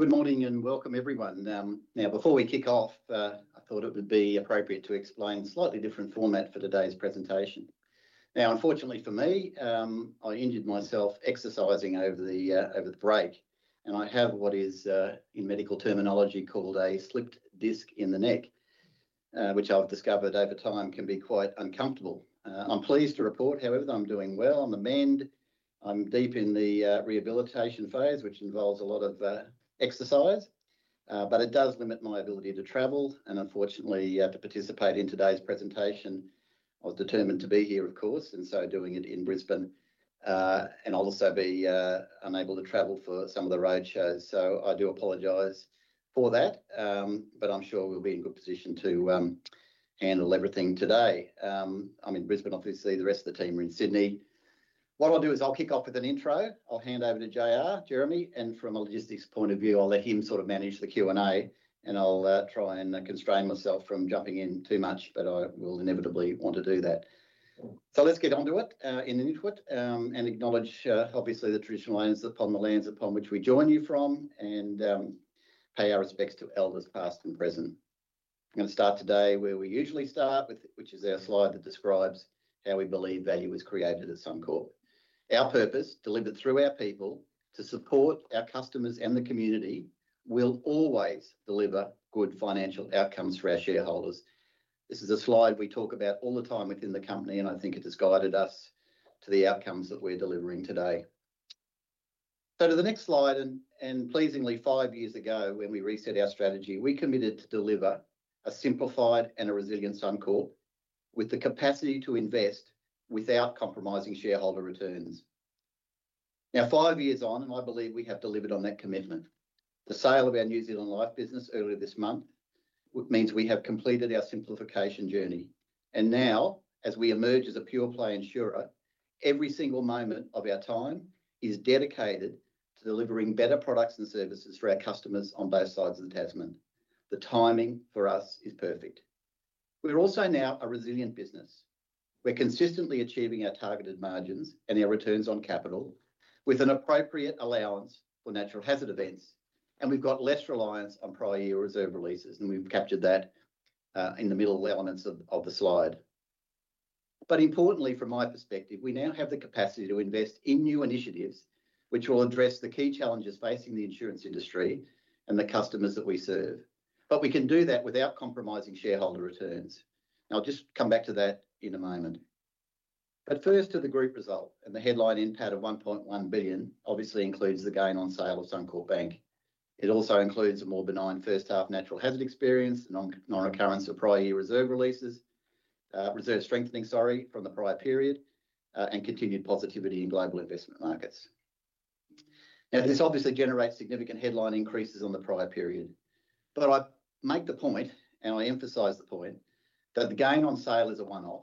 Good morning and welcome, everyone. Now, before we kick off, I thought it would be appropriate to explain a slightly different format for today's presentation. Now, unfortunately for me, I injured myself exercising over the break, and I have what is, in medical terminology, called a slipped disc in the neck, which I've discovered over time can be quite uncomfortable. I'm pleased to report, however, that I'm doing well. I'm on the mend. I'm deep in the rehabilitation phase, which involves a lot of exercise, but it does limit my ability to travel and unfortunately, to participate in today's presentation, I was determined to be here, of course, and so doing it in Brisbane, and I'll also be unable to travel for some of the road shows, so I do apologize for that, but I'm sure we'll be in good position to handle everything today. I'm in Brisbane, obviously. The rest of the team are in Sydney. What I'll do is I'll kick off with an intro. I'll hand over to JR, Jeremy, and from a logistics point of view, I'll let him sort of manage the Q&A, and I'll try and constrain myself from jumping in too much, but I will inevitably want to do that, so let's get onto it in the interests and acknowledge, obviously, the traditional lands upon which we join you from and pay our respects to Elders past and present. I'm going to start today where we usually start, which is our slide that describes how we believe value was created at Suncorp. Our purpose, delivered through our people to support our customers and the community, will always deliver good financial outcomes for our shareholders. This is a slide we talk about all the time within the company, and I think it has guided us to the outcomes that we're delivering today. So to the next slide, and pleasingly, five years ago, when we reset our strategy, we committed to deliver a simplified and a resilient Suncorp with the capacity to invest without compromising shareholder returns. Now, five years on, and I believe we have delivered on that commitment. The sale of our New Zealand Life business earlier this month means we have completed our simplification journey, and now, as we emerge as a pure-play insurer, every single moment of our time is dedicated to delivering better products and services for our customers on both sides of the Tasman. The timing for us is perfect. We're also now a resilient business. We're consistently achieving our targeted margins and our returns on capital with an appropriate allowance for natural hazard events. And we've got less reliance on prior year reserve releases, and we've captured that in the middle elements of the slide. But importantly, from my perspective, we now have the capacity to invest in new initiatives which will address the key challenges facing the insurance industry and the customers that we serve. But we can do that without compromising shareholder returns. Now, I'll just come back to that in a moment. But first, to the group result and the headline impact of 1.1 billion, obviously includes the gain on sale of Suncorp Bank. It also includes a more benign first half natural hazard experience, non-recurrence of prior year reserve releases, reserve strengthening, sorry, from the prior period, and continued positivity in global investment markets. Now, this obviously generates significant headline increases on the prior period. But I make the point, and I emphasize the point, that the gain on sale is a one-off,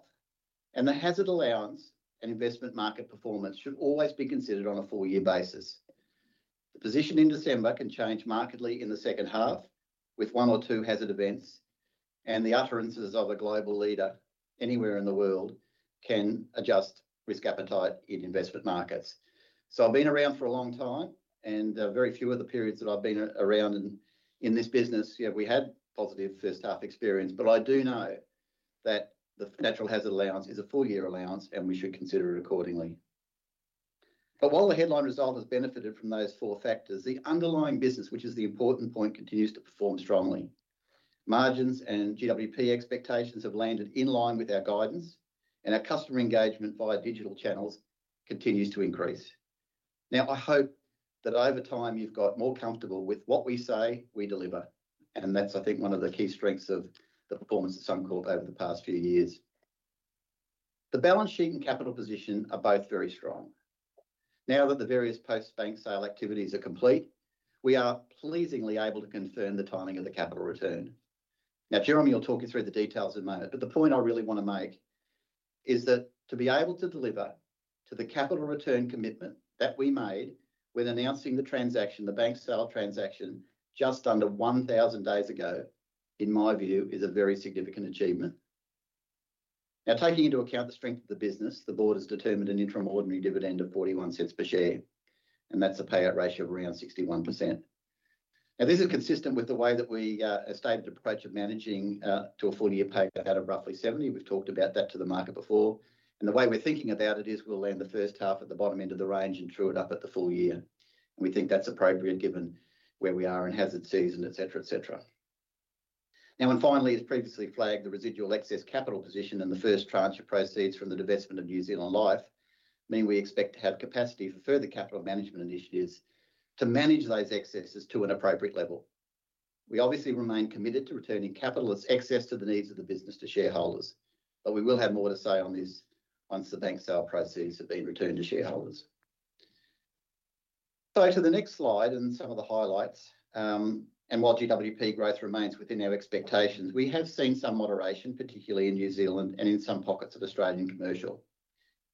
and the hazard allowance and investment market performance should always be considered on a four-year basis. The position in December can change markedly in the second half with one or two hazard events, and the utterances of a global leader anywhere in the world can adjust risk appetite in investment markets. So I've been around for a long time, and very few of the periods that I've been around in this business, we had positive first half experience. But I do know that the natural hazard allowance is a four-year allowance, and we should consider it accordingly. But while the headline result has benefited from those four factors, the underlying business, which is the important point, continues to perform strongly. Margins and GWP expectations have landed in line with our guidance, and our customer engagement via digital channels continues to increase. Now, I hope that over time you've got more comfortable with what we say we deliver, and that's, I think, one of the key strengths of the performance of Suncorp over the past few years. The balance sheet and capital position are both very strong. Now that the various post-bank sale activities are complete, we are pleasingly able to confirm the timing of the capital return. Now, Jeremy will talk you through the details in a moment, but the point I really want to make is that to be able to deliver to the capital return commitment that we made when announcing the transaction, the bank sale transaction, just under 1,000 days ago, in my view, is a very significant achievement. Now, taking into account the strength of the business, the board has determined an extraordinary dividend of 0.41 per share, and that's a payout ratio of around 61%. Now, this is consistent with the way that we have stated approach of managing to a full year payout of roughly 70%. We've talked about that to the market before, and the way we're thinking about it is we'll land the first half at the bottom end of the range and true it up at the full year, and we think that's appropriate given where we are in hazard season, etc., etc. Now, and finally, as previously flagged, the residual excess capital position and the first tranche of proceeds from the divestment of New Zealand Life mean we expect to have capacity for further capital management initiatives to manage those excesses to an appropriate level. We obviously remain committed to returning capital excess to the needs of the business to shareholders, but we will have more to say on this once the bank sale proceeds have been returned to shareholders. So to the next slide and some of the highlights. And while GWP growth remains within our expectations, we have seen some moderation, particularly in New Zealand and in some pockets of Australian commercial.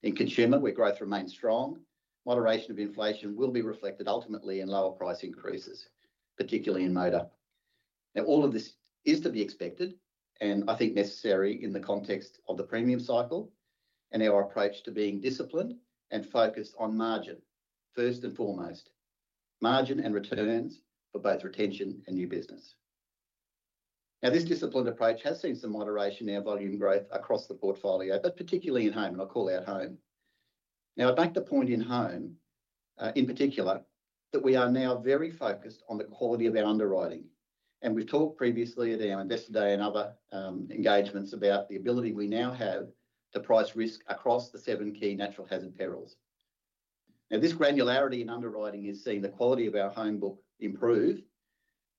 In Consumer, where growth remains strong, moderation of inflation will be reflected ultimately in lower price increases, particularly in motor. Now, all of this is to be expected and I think necessary in the context of the premium cycle and our approach to being disciplined and focused on margin, first and foremost, margin and returns for both retention and new business. Now, this disciplined approach has seen some moderation in our volume growth across the portfolio, but particularly in home, and I'll call out home. Now, I'd make the point in home, in particular, that we are now very focused on the quality of our underwriting, and we've talked previously at our investor day and other engagements about the ability we now have to price risk across the seven key natural hazard perils. Now, this granularity in underwriting is seeing the quality of our home book improve,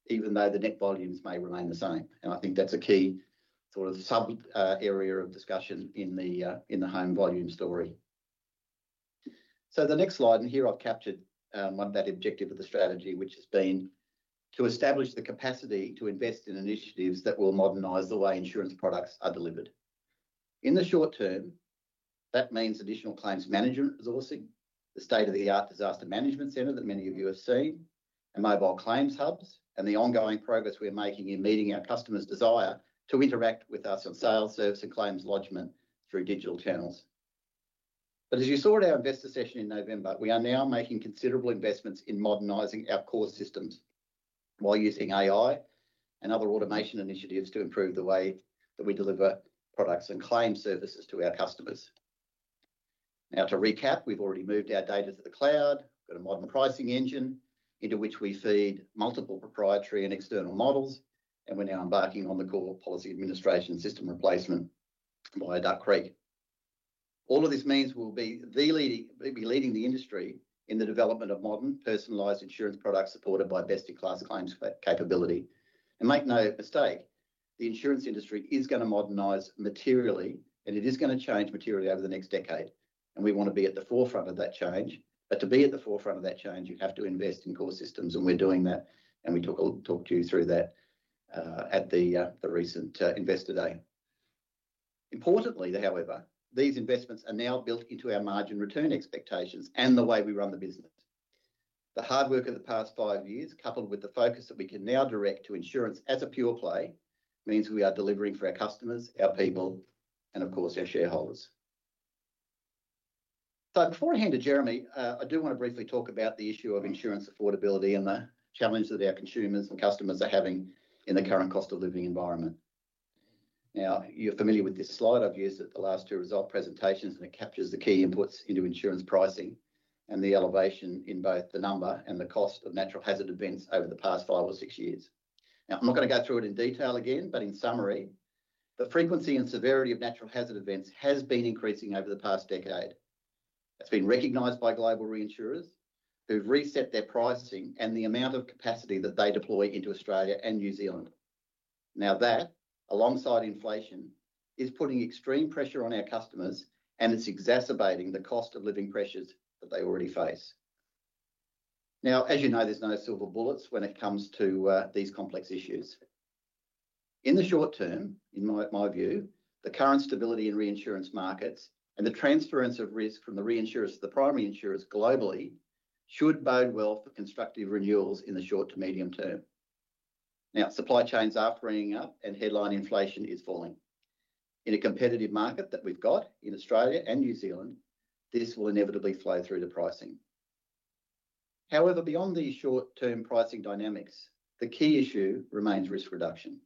even though the net volumes may remain the same, and I think that's a key sort of sub-area of discussion in the home volume story, so the next slide, and here I've captured that objective of the strategy, which has been to establish the capacity to invest in initiatives that will modernize the way insurance products are delivered. In the short term, that means additional claims management resourcing, the state-of-the-art disaster management center that many of you have seen, and mobile claims hubs, and the ongoing progress we're making in meeting our customers' desire to interact with us on sales, service, and claims lodgment through digital channels. But as you saw at our investor session in November, we are now making considerable investments in modernizing our core systems while using AI and other automation initiatives to improve the way that we deliver products and claim services to our customers. Now, to recap, we've already moved our data to the cloud, got a modern pricing engine into which we feed multiple proprietary and external models, and we're now embarking on the core policy administration system replacement via Duck Creek. All of this means we'll be leading the industry in the development of modern personalized insurance products supported by best-in-class claims capability. And make no mistake, the insurance industry is going to modernize materially, and it is going to change materially over the next decade. And we want to be at the forefront of that change. But to be at the forefront of that change, you have to invest in core systems, and we're doing that, and we talked to you through that at the recent investor day. Importantly, however, these investments are now built into our margin return expectations and the way we run the business. The hard work of the past five years, coupled with the focus that we can now direct to insurance as a pure play, means we are delivering for our customers, our people, and of course, our shareholders. So before I hand to Jeremy, I do want to briefly talk about the issue of insurance affordability and the challenge that our consumers and customers are having in the current cost of living environment. Now, you're familiar with this slide I've used at the last two result presentations, and it captures the key inputs into insurance pricing and the elevation in both the number and the cost of natural hazard events over the past five or six years. Now, I'm not going to go through it in detail again, but in summary, the frequency and severity of natural hazard events has been increasing over the past decade. It's been recognised by global reinsurers who've reset their pricing and the amount of capacity that they deploy into Australia and New Zealand. Now, that, alongside inflation, is putting extreme pressure on our customers, and it's exacerbating the cost of living pressures that they already face. Now, as you know, there's no silver bullets when it comes to these complex issues. In the short term, in my view, the current stability in reinsurance markets and the transference of risk from the reinsurers to the primary insurers globally should bode well for constructive renewals in the short to medium term. Now, supply chains are freeing up, and headline inflation is falling. In a competitive market that we've got in Australia and New Zealand, this will inevitably flow through to pricing. However, beyond these short-term pricing dynamics, the key issue remains risk reduction.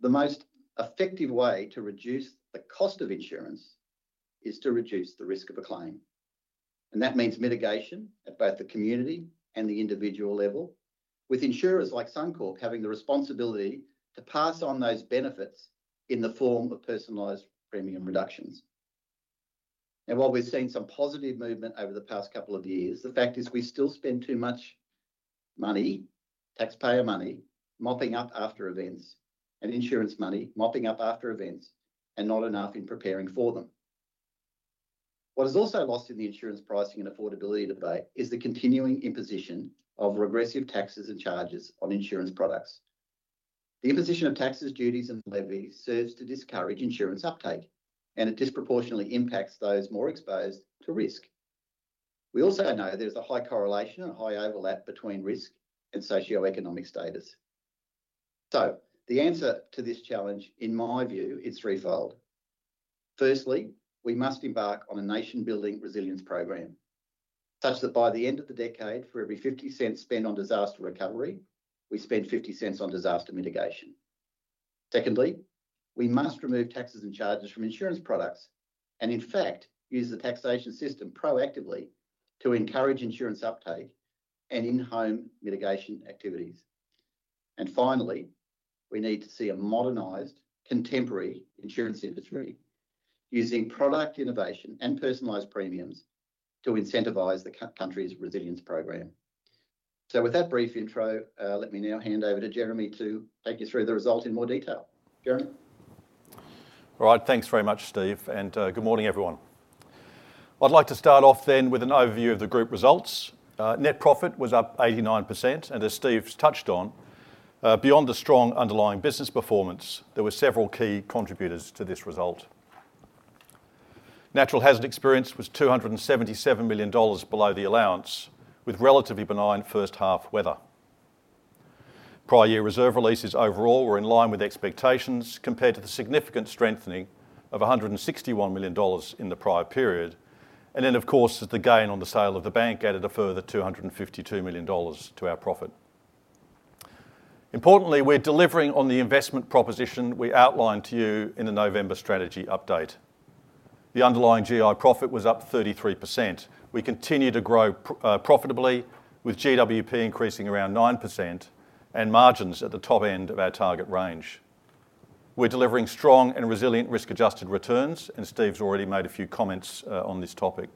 The most effective way to reduce the cost of insurance is to reduce the risk of a claim. And that means mitigation at both the community and the individual level, with insurers like Suncorp having the responsibility to pass on those benefits in the form of personalized premium reductions. Now, while we've seen some positive movement over the past couple of years, the fact is we still spend too much money, taxpayer money, mopping up after events, and insurance money, mopping up after events, and not enough in preparing for them. What is also lost in the insurance pricing and affordability debate is the continuing imposition of regressive taxes and charges on insurance products. The imposition of taxes, duties, and levies serves to discourage insurance uptake, and it disproportionately impacts those more exposed to risk. We also know there's a high correlation and high overlap between risk and socioeconomic status. So the answer to this challenge, in my view, is threefold. Firstly, we must embark on a nation-building resilience program such that by the end of the decade, for every 50 cents spent on disaster recovery, we spend 50 cents on disaster mitigation. Secondly, we must remove taxes and charges from insurance products and, in fact, use the taxation system proactively to encourage insurance uptake and in-home mitigation activities. And finally, we need to see a modernized, contemporary insurance industry using product innovation and personalized premiums to incentivize the country's resilience program. So with that brief intro, let me now hand over to Jeremy to take you through the result in more detail. Jeremy. All right, thanks very much, Steve, and good morning, everyone. I'd like to start off then with an overview of the group results. Net profit was up 89%, and as Steve's touched on, beyond the strong underlying business performance, there were several key contributors to this result. Natural hazard experience was 277 million dollars below the allowance, with relatively benign first half weather. Prior year reserve releases overall were in line with expectations compared to the significant strengthening of 161 million dollars in the prior period. And then, of course, the gain on the sale of the bank added a further 252 million dollars to our profit. Importantly, we're delivering on the investment proposition we outlined to you in the November strategy update. The underlying GI profit was up 33%. We continue to grow profitably, with GWP increasing around 9% and margins at the top end of our target range. We're delivering strong and resilient risk-adjusted returns, and Steve's already made a few comments on this topic.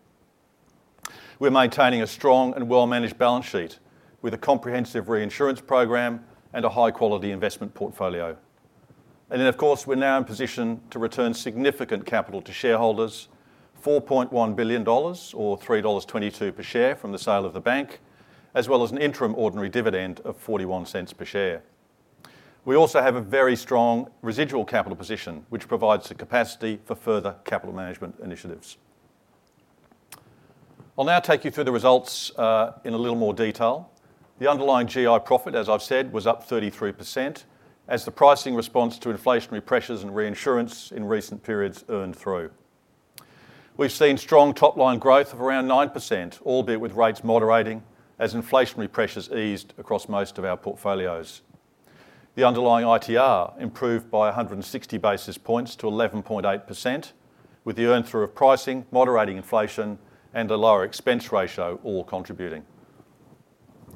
We're maintaining a strong and well-managed balance sheet with a comprehensive reinsurance program and a high-quality investment portfolio. And then, of course, we're now in position to return significant capital to shareholders, 4.1 billion dollars, or 3.22 dollars per share from the sale of the bank, as well as an interim ordinary dividend of 0.41 per share. We also have a very strong residual capital position, which provides the capacity for further capital management initiatives. I'll now take you through the results in a little more detail. The underlying GI profit, as I've said, was up 33% as the pricing response to inflationary pressures and reinsurance in recent periods earned through. We've seen strong top-line growth of around nine%, albeit with rates moderating as inflationary pressures eased across most of our portfolios. The underlying ITR improved by 160 basis points to 11.8%, with the earned through of pricing, moderating inflation, and a lower expense ratio all contributing.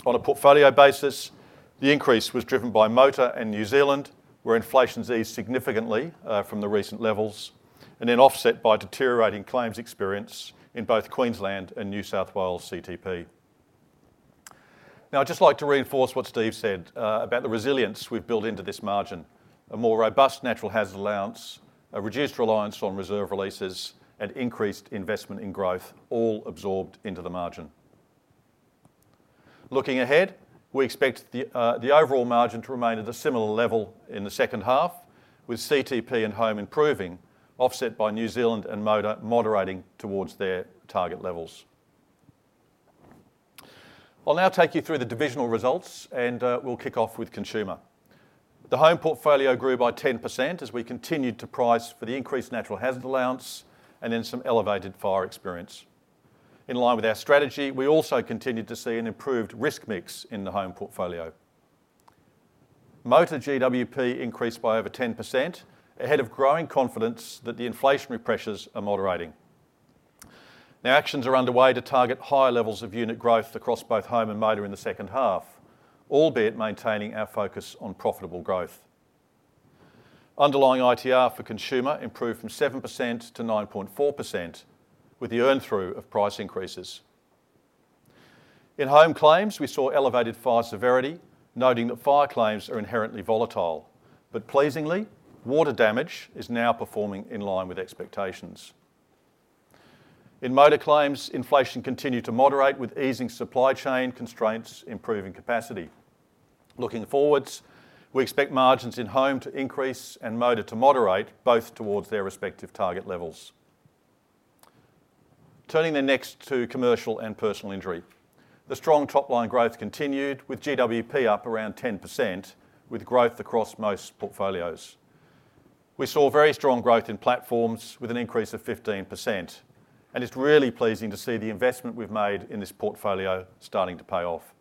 On a portfolio basis, the increase was driven by motor and New Zealand, where inflation's eased significantly from the recent levels, and then offset by deteriorating claims experience in both Queensland and New South Wales CTP. Now, I'd just like to reinforce what Steve said about the resilience we've built into this margin: a more robust natural hazard allowance, a reduced reliance on reserve releases, and increased investment in growth, all absorbed into the margin. Looking ahead, we expect the overall margin to remain at a similar level in the second half, with CTP and home improving, offset by New Zealand and motor moderating towards their target levels. I'll now take you through the divisional results, and we'll kick off with Consumer. The home portfolio grew by 10% as we continued to price for the increased natural hazard allowance and then some elevated fire experience. In line with our strategy, we also continued to see an improved risk mix in the home portfolio. Motor GWP increased by over 10% ahead of growing confidence that the inflationary pressures are moderating. Now, actions are underway to target higher levels of unit growth across both home and motor in the second half, albeit maintaining our focus on profitable growth. Underlying ITR for Consumer improved from 7% to 9.4%, with the earned through of price increases. In home claims, we saw elevated fire severity, noting that fire claims are inherently volatile. But pleasingly, water damage is now performing in line with expectations. In motor claims, inflation continued to moderate with easing supply chain constraints, improving capacity. Looking forward, we expect margins in home to increase and motor to moderate both towards their respective target levels. Turning next to Commercial and Personal Injury. The strong top-line growth continued with GWP up around 10%, with growth across most portfolios. We saw very strong growth in platforms with an increase of 15%, and it's really pleasing to see the investment we've made in this portfolio starting to pay off.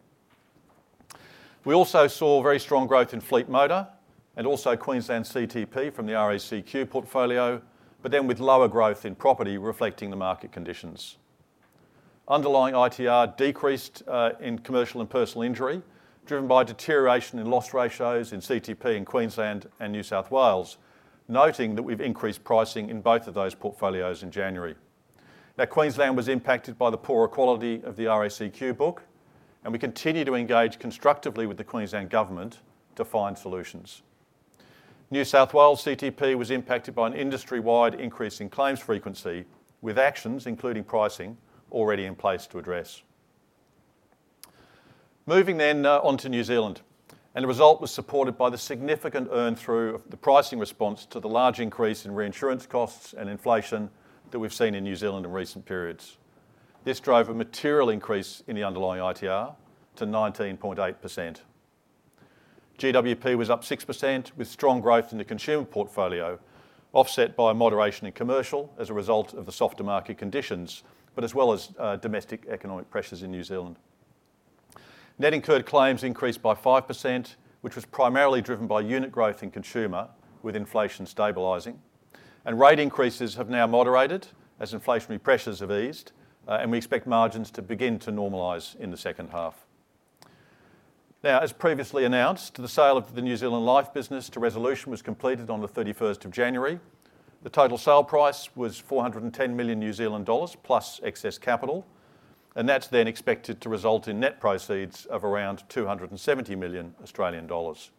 We also saw very strong growth in fleet motor and also Queensland CTP from the RACQ portfolio, but then with lower growth in property reflecting the market conditions. Underlying ITR decreased in Commercial and Personal Injury, driven by deterioration in loss ratios in CTP in Queensland and New South Wales, noting that we've increased pricing in both of those portfolios in January. Now, Queensland was impacted by the poorer quality of the RACQ book, and we continue to engage constructively with the Queensland government to find solutions. New South Wales CTP was impacted by an industry-wide increase in claims frequency, with actions, including pricing, already in place to address. Moving then on to New Zealand, and the result was supported by the significant earned through of the pricing response to the large increase in reinsurance costs and inflation that we've seen in New Zealand in recent periods. This drove a material increase in the underlying ITR to 19.8%. GWP was up 6% with strong growth in the Consumer portfolio, offset by moderation in commercial as a result of the softer market conditions, but as well as domestic economic pressures in New Zealand. Net incurred claims increased by 5%, which was primarily driven by unit growth in Consumer with inflation stabilizing, and rate increases have now moderated as inflationary pressures have eased, and we expect margins to begin to normalize in the second half. Now, as previously announced, the sale of the New Zealand Life business to Resolution was completed on the 31st of January. The total sale price was AUD 410 million plus excess capital, and that's then expected to result in net proceeds of around 270 million Australian dollars.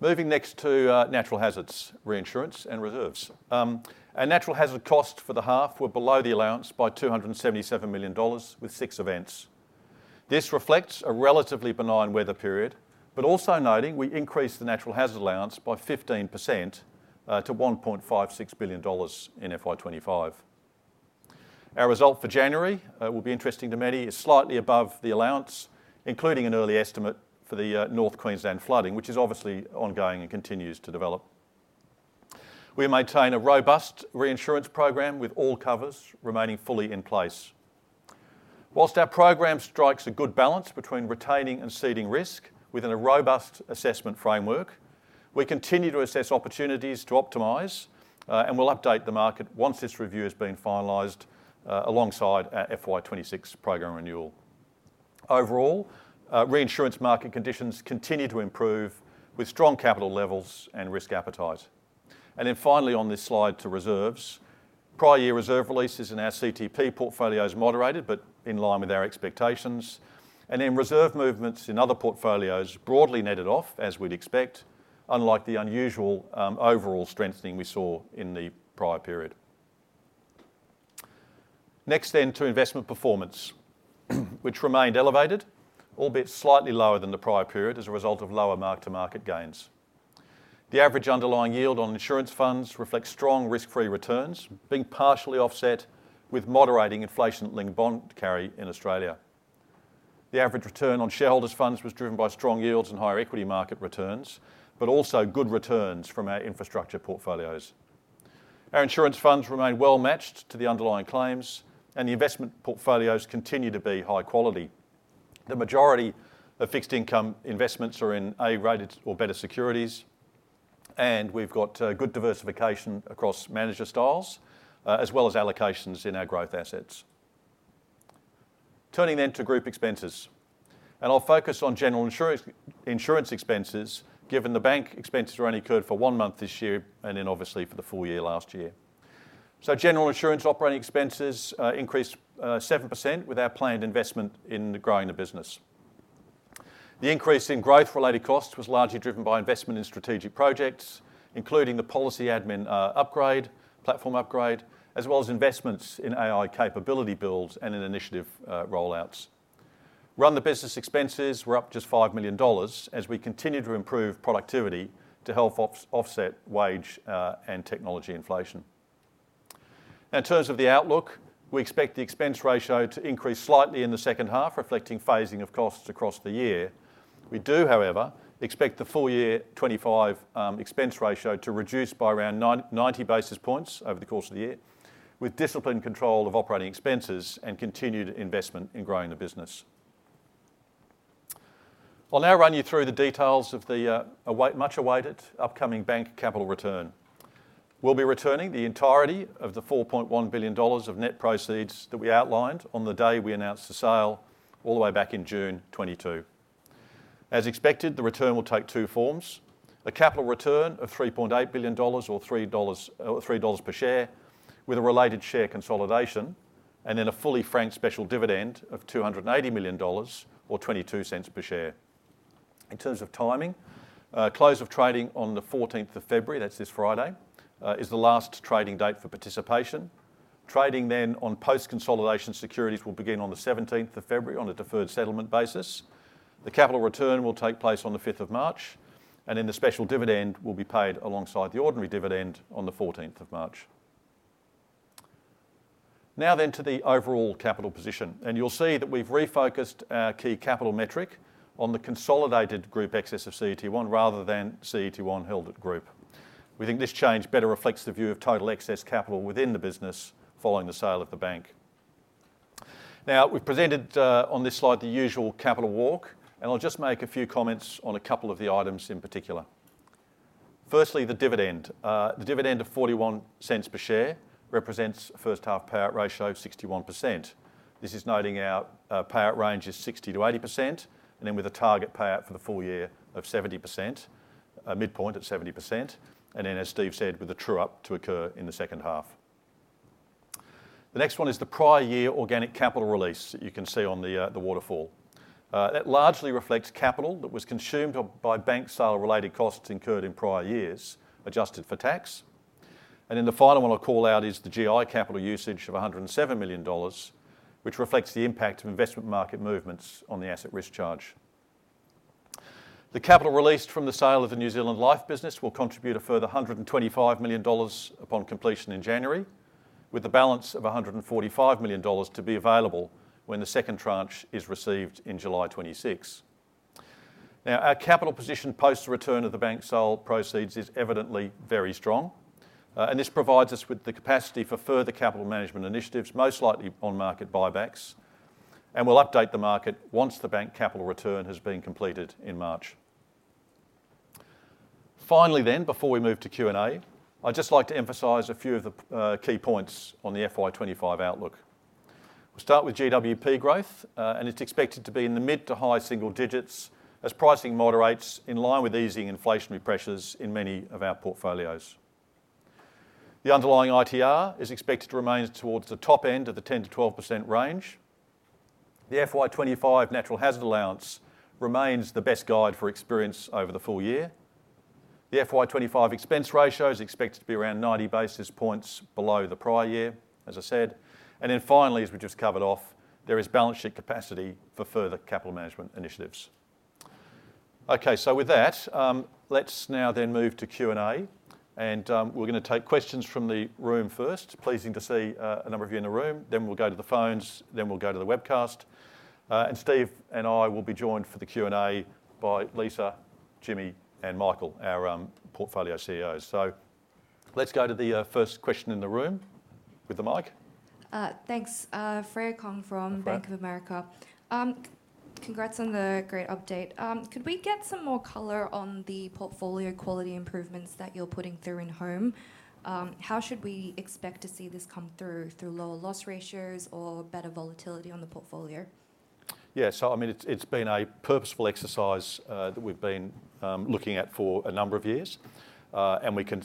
Moving next to natural hazards, reinsurance and reserves. Our natural hazard costs for the half were below the allowance by 277 million dollars with six events. This reflects a relatively benign weather period, but also noting we increased the natural hazard allowance by 15% to 1.56 billion dollars in FY25. Our result for January, it will be interesting to many, is slightly above the allowance, including an early estimate for the North Queensland flooding, which is obviously ongoing and continues to develop. We maintain a robust reinsurance program with all covers remaining fully in place. While our program strikes a good balance between retaining and seeding risk within a robust assessment framework, we continue to assess opportunities to optimize, and we'll update the market once this review has been finalized alongside our FY26 program renewal. Overall, reinsurance market conditions continue to improve with strong capital levels and risk appetite. And then finally on this slide to reserves, prior year reserve releases in our CTP portfolios moderated but in line with our expectations, and then reserve movements in other portfolios broadly netted off as we'd expect, unlike the unusual overall strengthening we saw in the prior period. Next then to investment performance, which remained elevated, albeit slightly lower than the prior period as a result of lower mark-to-market gains. The average underlying yield on insurance funds reflects strong risk-free returns, being partially offset with moderating inflation-linked bond carry in Australia. The average return on shareholders' funds was driven by strong yields and higher equity market returns, but also good returns from our infrastructure portfolios. Our insurance funds remain well matched to the underlying claims, and the investment portfolios continue to be high quality. The majority of fixed income investments are in A-rated or better securities, and we've got good diversification across manager styles as well as allocations in our growth assets. Turning then to group expenses, and I'll focus on general insurance expenses given the bank expenses were only incurred for one month this year and then obviously for the full year last year. So general insurance operating expenses increased 7% with our planned investment in growing the business. The increase in growth-related costs was largely driven by investment in strategic projects, including the policy admin upgrade, platform upgrade, as well as investments in AI capability builds and in initiative rollouts. Run the business expenses were up just 5 million dollars as we continue to improve productivity to help offset wage and technology inflation. Now, in terms of the outlook, we expect the expense ratio to increase slightly in the second half, reflecting phasing of costs across the year. We do, however, expect the full year 2025 expense ratio to reduce by around 90 basis points over the course of the year with discipline control of operating expenses and continued investment in growing the business. I'll now run you through the details of the much awaited upcoming bank capital return. We'll be returning the entirety of the 4.1 billion dollars of net proceeds that we outlined on the day we announced the sale, all the way back in June 2022. As expected, the return will take two forms: a capital return of 3.8 billion dollars or 3 dollars per share with a related share consolidation, and then a fully franked special dividend of 280 million dollars or 0.22 per share. In terms of timing, close of trading on the 14th of February, that's this Friday, is the last trading date for participation. Trading then on post-consolidation securities will begin on the 17th of February on a deferred settlement basis. The capital return will take place on the 5th of March, and then the special dividend will be paid alongside the ordinary dividend on the 14th of March. Now then to the overall capital position, and you'll see that we've refocused our key capital metric on the consolidated group excess of CET1 rather than CET1 held at group. We think this change better reflects the view of total excess capital within the business following the sale of the bank. Now, we've presented on this slide the usual capital walk, and I'll just make a few comments on a couple of the items in particular. Firstly, the dividend. The dividend of 0.41 per share represents a first half payout ratio of 61%. This is noting our payout range is 60%-80%, and then with a target payout for the full year of 70%, a midpoint at 70%, and then, as Steve said, with a true-up to occur in the second half. The next one is the prior year organic capital release that you can see on the waterfall. That largely reflects capital that was consumed by bank sale-related costs incurred in prior years, adjusted for tax. And then the final one I'll call out is the GI capital usage of 107 million dollars, which reflects the impact of investment market movements on the asset risk charge. The capital released from the sale of the New Zealand Life business will contribute a further 125 million dollars upon completion in January, with the balance of 145 million dollars to be available when the second tranche is received in July 2026. Now, our capital position post-return of the bank sale proceeds is evidently very strong, and this provides us with the capacity for further capital management initiatives, most likely on market buybacks, and we'll update the market once the bank capital return has been completed in March. Finally then, before we move to Q&A, I'd just like to emphasize a few of the key points on the FY25 outlook. We'll start with GWP growth, and it's expected to be in the mid to high single digits as pricing moderates in line with easing inflationary pressures in many of our portfolios. The underlying ITR is expected to remain towards the top end of the 10%-12% range. The FY25 natural hazard allowance remains the best guide for experience over the full year. The FY25 expense ratio is expected to be around 90 basis points below the prior year, as I said. And then finally, as we just covered off, there is balance sheet capacity for further capital management initiatives. Okay, so with that, let's now then move to Q&A, and we're going to take questions from the room first. Pleasing to see a number of you in the room. Then we'll go to the phones, then we'll go to the webcast. And Steve and I will be joined for the Q&A by Lisa, Jimmy, and Michael, our portfolio CEOs. So let's go to the first question in the room with the mic. Thanks. Freya Kong from Bank of America. Congrats on the great update. Could we get some more color on the portfolio quality improvements that you're putting through in home? How should we expect to see this come through, through lower loss ratios or better volatility on the portfolio? Yeah, so I mean, it's been a purposeful exercise that we've been looking at for a number of years, and we can,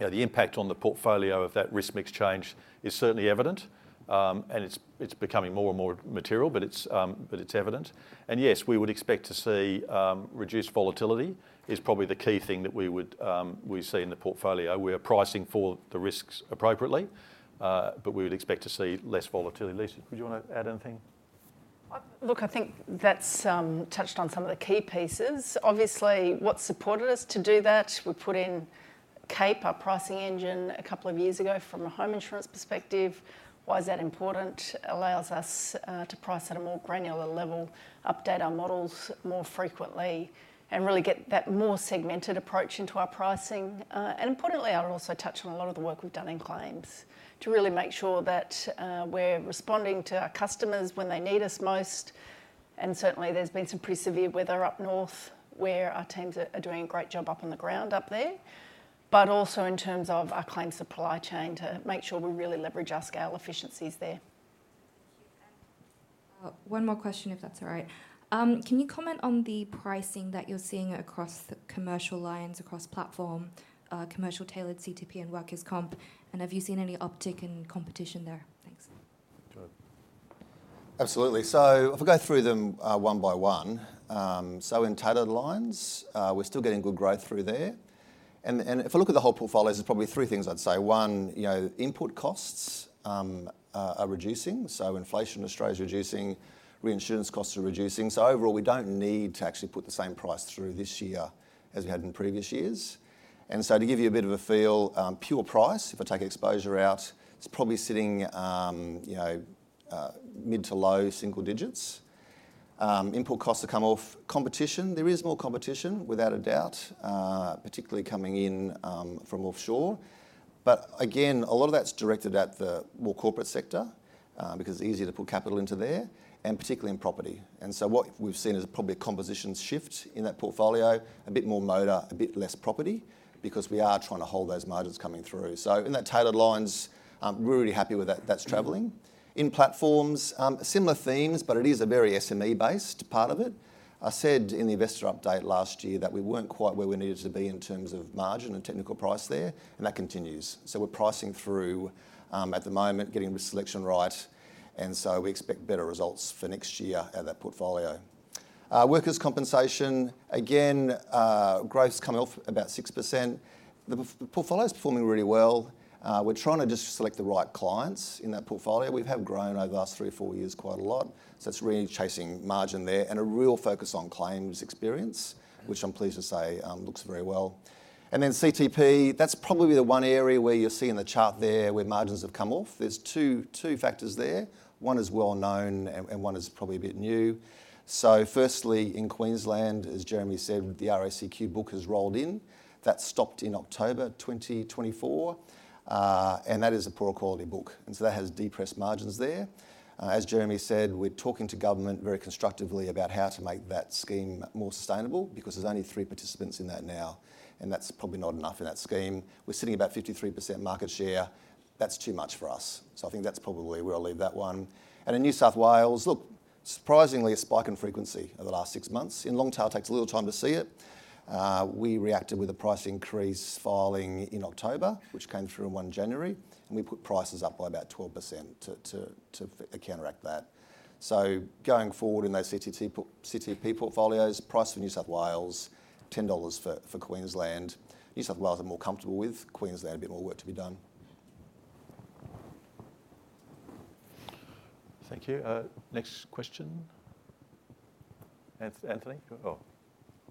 and the impact on the portfolio of that risk mix change is certainly evident, and it's becoming more and more material, but it's evident. And yes, we would expect to see reduced volatility is probably the key thing that we would see in the portfolio. We are pricing for the risks appropriately, but we would expect to see less volatility. Lisa, would you want to add anything? Look, I think that's touched on some of the key pieces. Obviously, what supported us to do that, we put in CAPE, our pricing engine, a couple of years ago from a home insurance perspective. Why is that important? It allows us to price at a more granular level, update our models more frequently, and really get that more segmented approach into our pricing. And importantly, I'll also touch on a lot of the work we've done in claims to really make sure that we're responding to our customers when they need us most. And certainly, there's been some pretty severe weather up north where our teams are doing a great job up on the ground up there, but also in terms of our claim supply chain to make sure we really leverage our scale efficiencies there. One more question, if that's all right. Can you comment on the pricing that you're seeing across the commercial lines, across platform, commercial tailored CTP and workers' comp? And have you seen any uptick in competition there? Thanks. Absolutely, so if I go through them one by one, so in tailored lines, we're still getting good growth through there, and if I look at the whole portfolios, there's probably three things I'd say. One, input costs are reducing, so inflation in Australia is reducing. Reinsurance costs are reducing, so overall, we don't need to actually put the same price through this year as we had in previous years, and so to give you a bit of a feel, pure price, if I take exposure out, it's probably sitting mid to low single digits. Input costs have come off. Competition, there is more competition, without a doubt, particularly coming in from offshore, but again, a lot of that's directed at the more corporate sector because it's easier to put capital into there, and particularly in property. And so what we've seen is probably a composition shift in that portfolio, a bit more motor, a bit less property because we are trying to hold those margins coming through. So in that tailored lines, we're really happy with that that's traveling. In platforms, similar themes, but it is a very SME-based part of it. I said in the investor update last year that we weren't quite where we needed to be in terms of margin and technical price there, and that continues. So we're pricing through at the moment, getting the selection right, and so we expect better results for next year out of that portfolio. Workers' compensation, again, growth's come off about 6%. The portfolio's performing really well. We're trying to just select the right clients in that portfolio. We've had grown over the last three or four years quite a lot. So it's really chasing margin there and a real focus on claims experience, which I'm pleased to say looks very well. And then CTP, that's probably the one area where you're seeing the chart there where margins have come off. There's two factors there. One is well known and one is probably a bit new. So firstly, in Queensland, as Jeremy said, the RACQ book has rolled in. That stopped in October 2024, and that is a poor quality book. And so that has depressed margins there. As Jeremy said, we're talking to government very constructively about how to make that scheme more sustainable because there's only three participants in that now, and that's probably not enough in that scheme. We're sitting about 53% market share. That's too much for us. So I think that's probably where I'll leave that one. And in New South Wales, look, surprisingly, a spike in frequency over the last six months. In Longtail, it takes a little time to see it. We reacted with a price increase filing in October, which came through in 1 January, and we put prices up by about 12% to counteract that. So going forward in those CTP portfolios, price for New South Wales, 10 dollars for Queensland. New South Wales are more comfortable with Queensland, a bit more work to be done. Thank you. Next question, Anthony. Oh,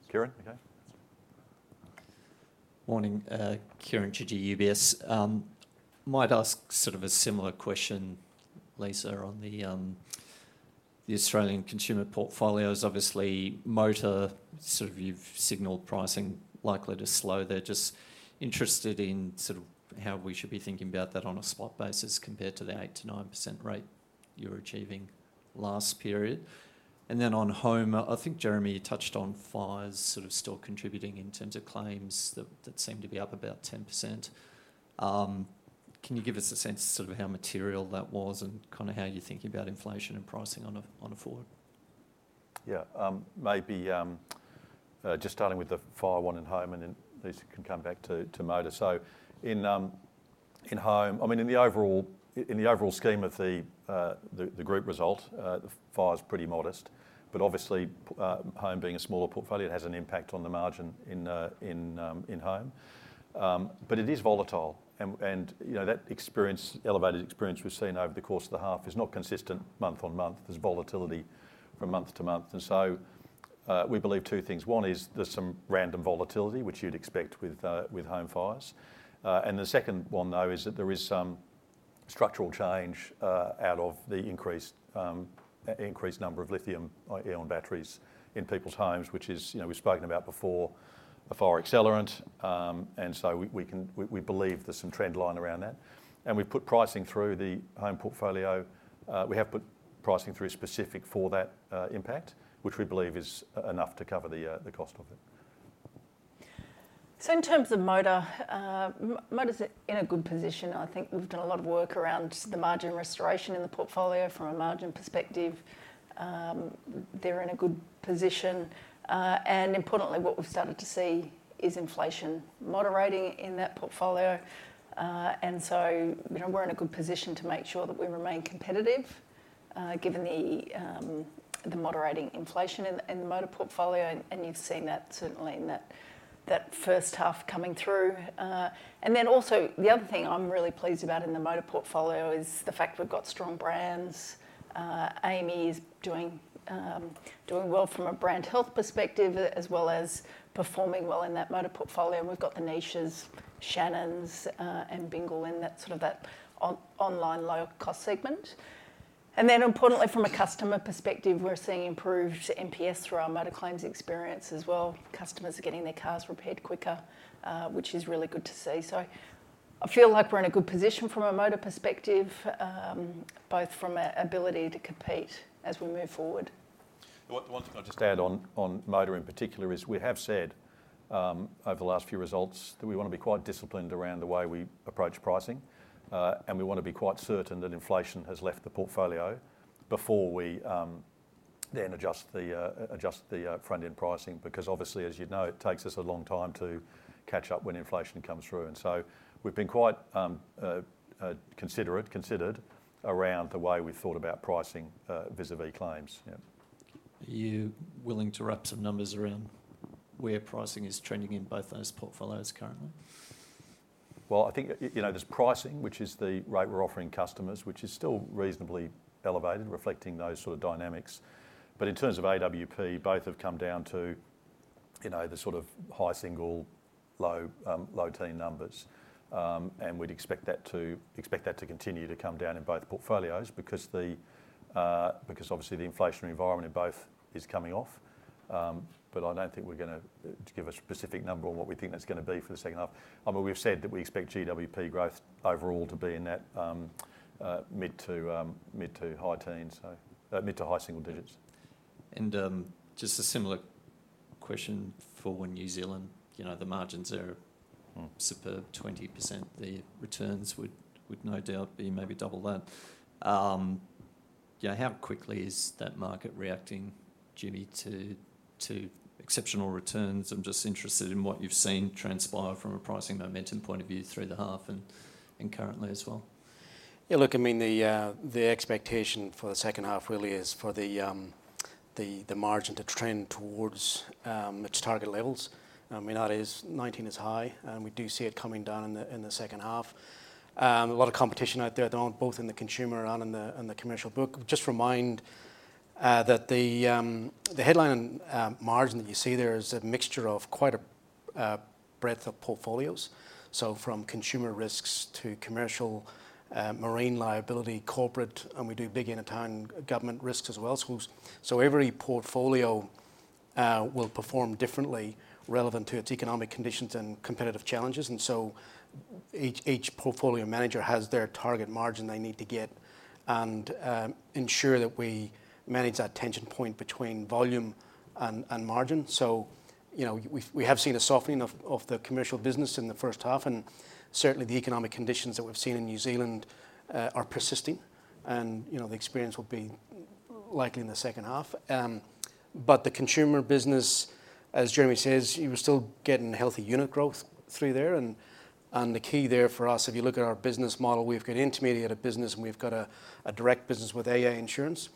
Kieran, okay. Morning, Kieran Chidgey, UBS. Might ask sort of a similar question, Lisa, on the Australian Consumer portfolios. Obviously, motor, sort of you've signaled pricing likely to slow there. Just interested in sort of how we should be thinking about that on a spot basis compared to the 8%-9% rate you were achieving last period. And then on home, I think Jeremy touched on fires sort of still contributing in terms of claims that seem to be up about 10%. Can you give us a sense of sort of how material that was and kind of how you're thinking about inflation and pricing on a forward? Yeah, maybe just starting with the fire one in home and then Lisa can come back to motor, so in home, I mean, in the overall scheme of the group result, the fire's pretty modest, but obviously home being a smaller portfolio, it has an impact on the margin in home, but it is volatile, and that experience, elevated experience we've seen over the course of the half is not consistent month on month. There's volatility from month to month, and so we believe two things. One is there's some random volatility, which you'd expect with home fires, and the second one, though, is that there is some structural change out of the increased number of lithium-ion batteries in people's homes, which is, we've spoken about before, a fire accelerant, and so we believe there's some trend line around that, and we've put pricing through the home portfolio. We have put pricing through specific for that impact, which we believe is enough to cover the cost of it. So in terms of motor, motor's in a good position. I think we've done a lot of work around the margin restoration in the portfolio from a margin perspective. They're in a good position. And importantly, what we've started to see is inflation moderating in that portfolio. And so we're in a good position to make sure that we remain competitive given the moderating inflation in the motor portfolio. And you've seen that certainly in that first half coming through. And then also the other thing I'm really pleased about in the motor portfolio is the fact we've got strong brands. AAMI is doing well from a brand health perspective as well as performing well in that motor portfolio. And we've got the niches, Shannons and Bingle in that sort of online low-cost segment. Then importantly, from a customer perspective, we're seeing improved NPS through our motor claims experience as well. Customers are getting their cars repaired quicker, which is really good to see. I feel like we're in a good position from a motor perspective, both from an ability to compete as we move forward. The one thing I'll just add on motor in particular is we have said over the last few results that we want to be quite disciplined around the way we approach pricing, and we want to be quite certain that inflation has left the portfolio before we then adjust the front-end pricing because obviously, as you know, it takes us a long time to catch up when inflation comes through. And so we've been quite considerate around the way we've thought about pricing vis-à-vis claims. Yeah. Are you willing to wrap some numbers around where pricing is trending in both those portfolios currently? I think there's pricing, which is the rate we're offering customers, which is still reasonably elevated, reflecting those sort of dynamics. In terms of AWP, both have come down to the sort of high single, low teen numbers. We'd expect that to continue to come down in both portfolios because obviously the inflationary environment in both is coming off. I don't think we're going to give a specific number on what we think that's going to be for the second half. I mean, we've said that we expect GWP growth overall to be in that mid to high teen, so mid to high single digits. And just a similar question for New Zealand. The margins are superb, 20%. The returns would no doubt be maybe double that. How quickly is that market reacting, Jimmy, to exceptional returns? I'm just interested in what you've seen transpire from a pricing momentum point of view through the half and currently as well. Yeah, look, I mean, the expectation for the second half really is for the margin to trend towards its target levels. I mean, that is 19 is high, and we do see it coming down in the second half. A lot of competition out there at the moment, both in the Consumer and the commercial book. Just remind that the headline margin that you see there is a mixture of quite a breadth of portfolios. So from Consumer risks to commercial, marine liability, corporate, and we do big infrastructure government risks as well. So every portfolio will perform differently relevant to its economic conditions and competitive challenges. And so each portfolio manager has their target margin they need to get and ensure that we manage that tension point between volume and margin. We have seen a softening of the commercial business in the first half, and certainly the economic conditions that we've seen in New Zealand are persisting. And the experience will be likely in the second half. But the Consumer business, as Jeremy says, you were still getting healthy unit growth through there. And the key there for us, if you look at our business model, we've got intermediate business and we've got a direct business with AA Insurance.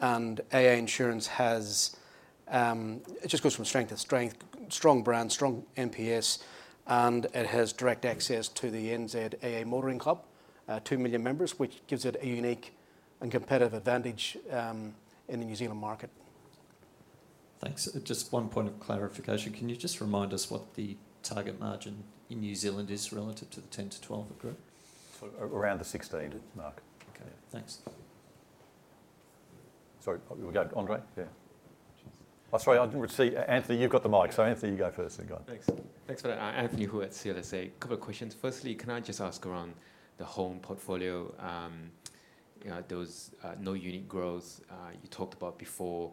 And AA Insurance has; it just goes from strength to strength, strong brand, strong NPS, and it has direct access to the NZ AA Motoring Club, 2 million members, which gives it a unique and competitive advantage in the New Zealand market. Thanks. Just one point of clarification. Can you just remind us what the target margin in New Zealand is relative to the 10-12 group? Around the 16 mark. Okay, thanks. Sorry, we'll go to Andrei. Yeah. Oh, sorry, Anthony, you've got the mic. So Anthony, you go first. Thanks. Thanks for that. Anthony Hew at CLSA. A couple of questions. Firstly, can I just ask around the home portfolio, those low unit growth you talked about before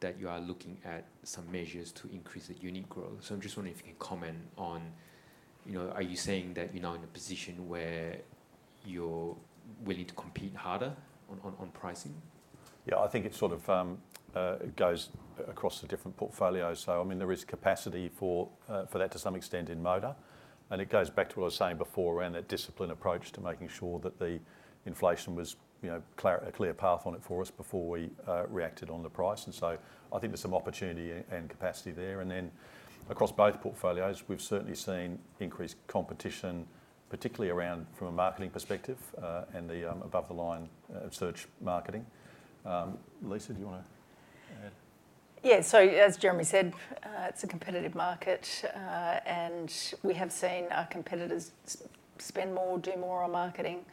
that you are looking at some measures to increase the unit growth. So I'm just wondering if you can comment on, are you saying that you're now in a position where you're willing to compete harder on pricing? Yeah, I think it sort of goes across the different portfolios. So I mean, there is capacity for that to some extent in motor. And it goes back to what I was saying before around that discipline approach to making sure that the inflation was a clear path on it for us before we reacted on the price. And so I think there's some opportunity and capacity there. And then across both portfolios, we've certainly seen increased competition, particularly around from a marketing perspective and the above-the-line search marketing. Lisa, do you want to add? Yeah, so as Jeremy said, it's a competitive market, and we have seen our competitors spend more, do more on marketing.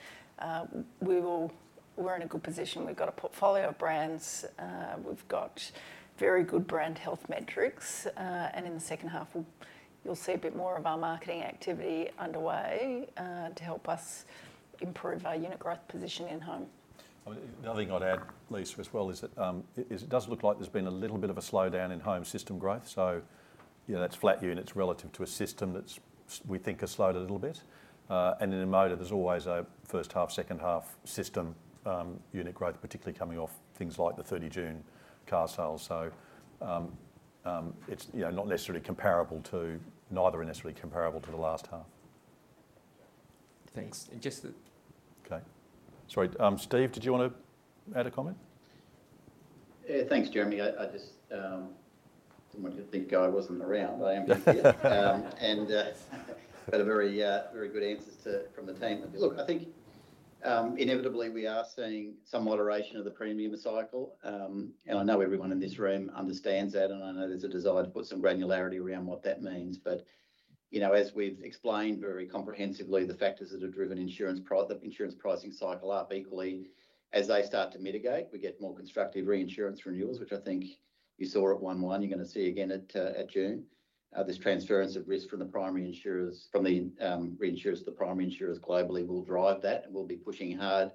We're in a good position. We've got a portfolio of brands. We've got very good brand health metrics. And in the second half, you'll see a bit more of our marketing activity underway to help us improve our unit growth position in home. The other thing I'd add, Lisa, as well is it does look like there's been a little bit of a slowdown in home insurance growth, so that's flat units relative to an insurance that we think has slowed a little bit. And in motor, there's always a first half, second half insurance unit growth, particularly coming off things like the 30 June car sales, so it's not necessarily comparable to, neither are necessarily comparable to the last half. Thanks. And just. Okay. Sorry, Steve, did you want to add a comment? Yeah, thanks, Jeremy. I just didn't want you to think I wasn't around. I am just here. And I've had a very good answer from the team. Look, I think inevitably we are seeing some moderation of the premium cycle. And I know everyone in this room understands that, and I know there's a desire to put some granularity around what that means. But as we've explained very comprehensively, the factors that have driven insurance pricing cycle up equally, as they start to mitigate, we get more constructive reinsurance renewals, which I think you saw at 1 Jan. You're going to see again at June. This transference of risk from the primary insurers, from the reinsurers to the primary insurers globally will drive that, and we'll be pushing hard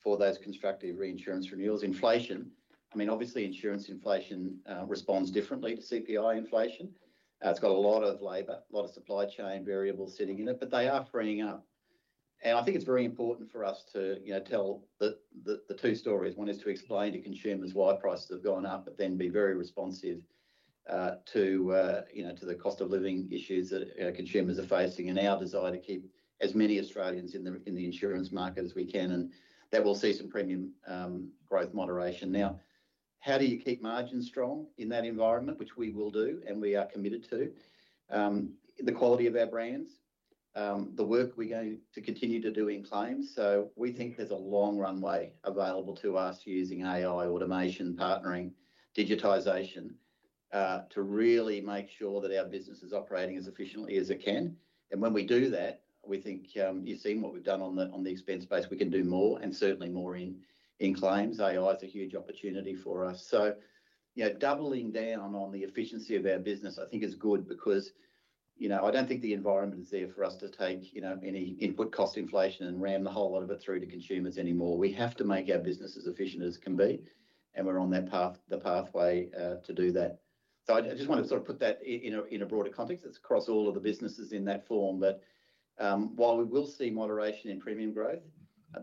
for those constructive reinsurance renewals. Inflation, I mean, obviously insurance inflation responds differently to CPI inflation. It's got a lot of labor, a lot of supply chain variables sitting in it, but they are freeing up. And I think it's very important for us to tell the two stories. One is to explain to consumers why prices have gone up, but then be very responsive to the cost of living issues that consumers are facing and our desire to keep as many Australians in the insurance market as we can. And that will see some premium growth moderation. Now, how do you keep margins strong in that environment, which we will do and we are committed to? The quality of our brands, the work we're going to continue to do in claims. So we think there's a long runway available to us using AI automation, partnering, digitization to really make sure that our business is operating as efficiently as it can. And when we do that, we think you've seen what we've done on the expense base. We can do more and certainly more in claims. AI is a huge opportunity for us. So doubling down on the efficiency of our business, I think is good because I don't think the environment is there for us to take any input cost inflation and ram the whole lot of it through to consumers anymore. We have to make our business as efficient as it can be, and we're on that pathway to do that. So I just want to sort of put that in a broader context. It's across all of the businesses in that form. But while we will see moderation in premium growth,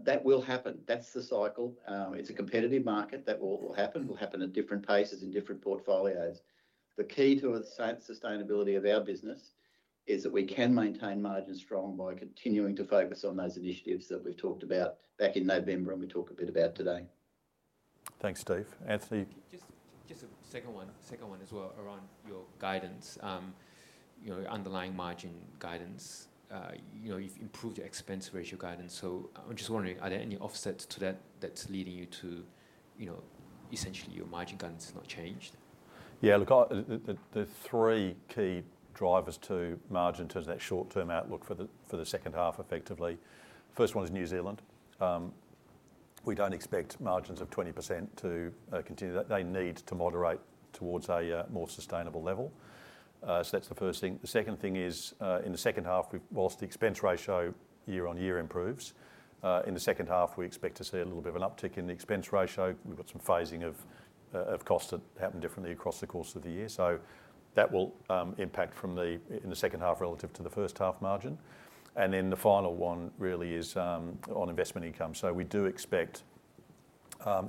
that will happen. That's the cycle. It's a competitive market. That will happen. It will happen at different paces in different portfolios. The key to the sustainability of our business is that we can maintain margins strong by continuing to focus on those initiatives that we've talked about back in November and we talked a bit about today. Thanks, Steve. Anthony? Just a second one as well around your guidance, your underlying margin guidance. You've improved your expense ratio guidance. So I'm just wondering, are there any offsets to that that's leading you to essentially your margin guidance has not changed? Yeah, look, there's three key drivers to margin in terms of that short-term outlook for the second half effectively. First one is New Zealand. We don't expect margins of 20% to continue. They need to moderate towards a more sustainable level. So that's the first thing. The second thing is in the second half, while the expense ratio year on year improves, in the second half, we expect to see a little bit of an uptick in the expense ratio. We've got some phasing of costs that happen differently across the course of the year. So that will impact from the second half relative to the first half margin. And then the final one really is on investment income. So we do expect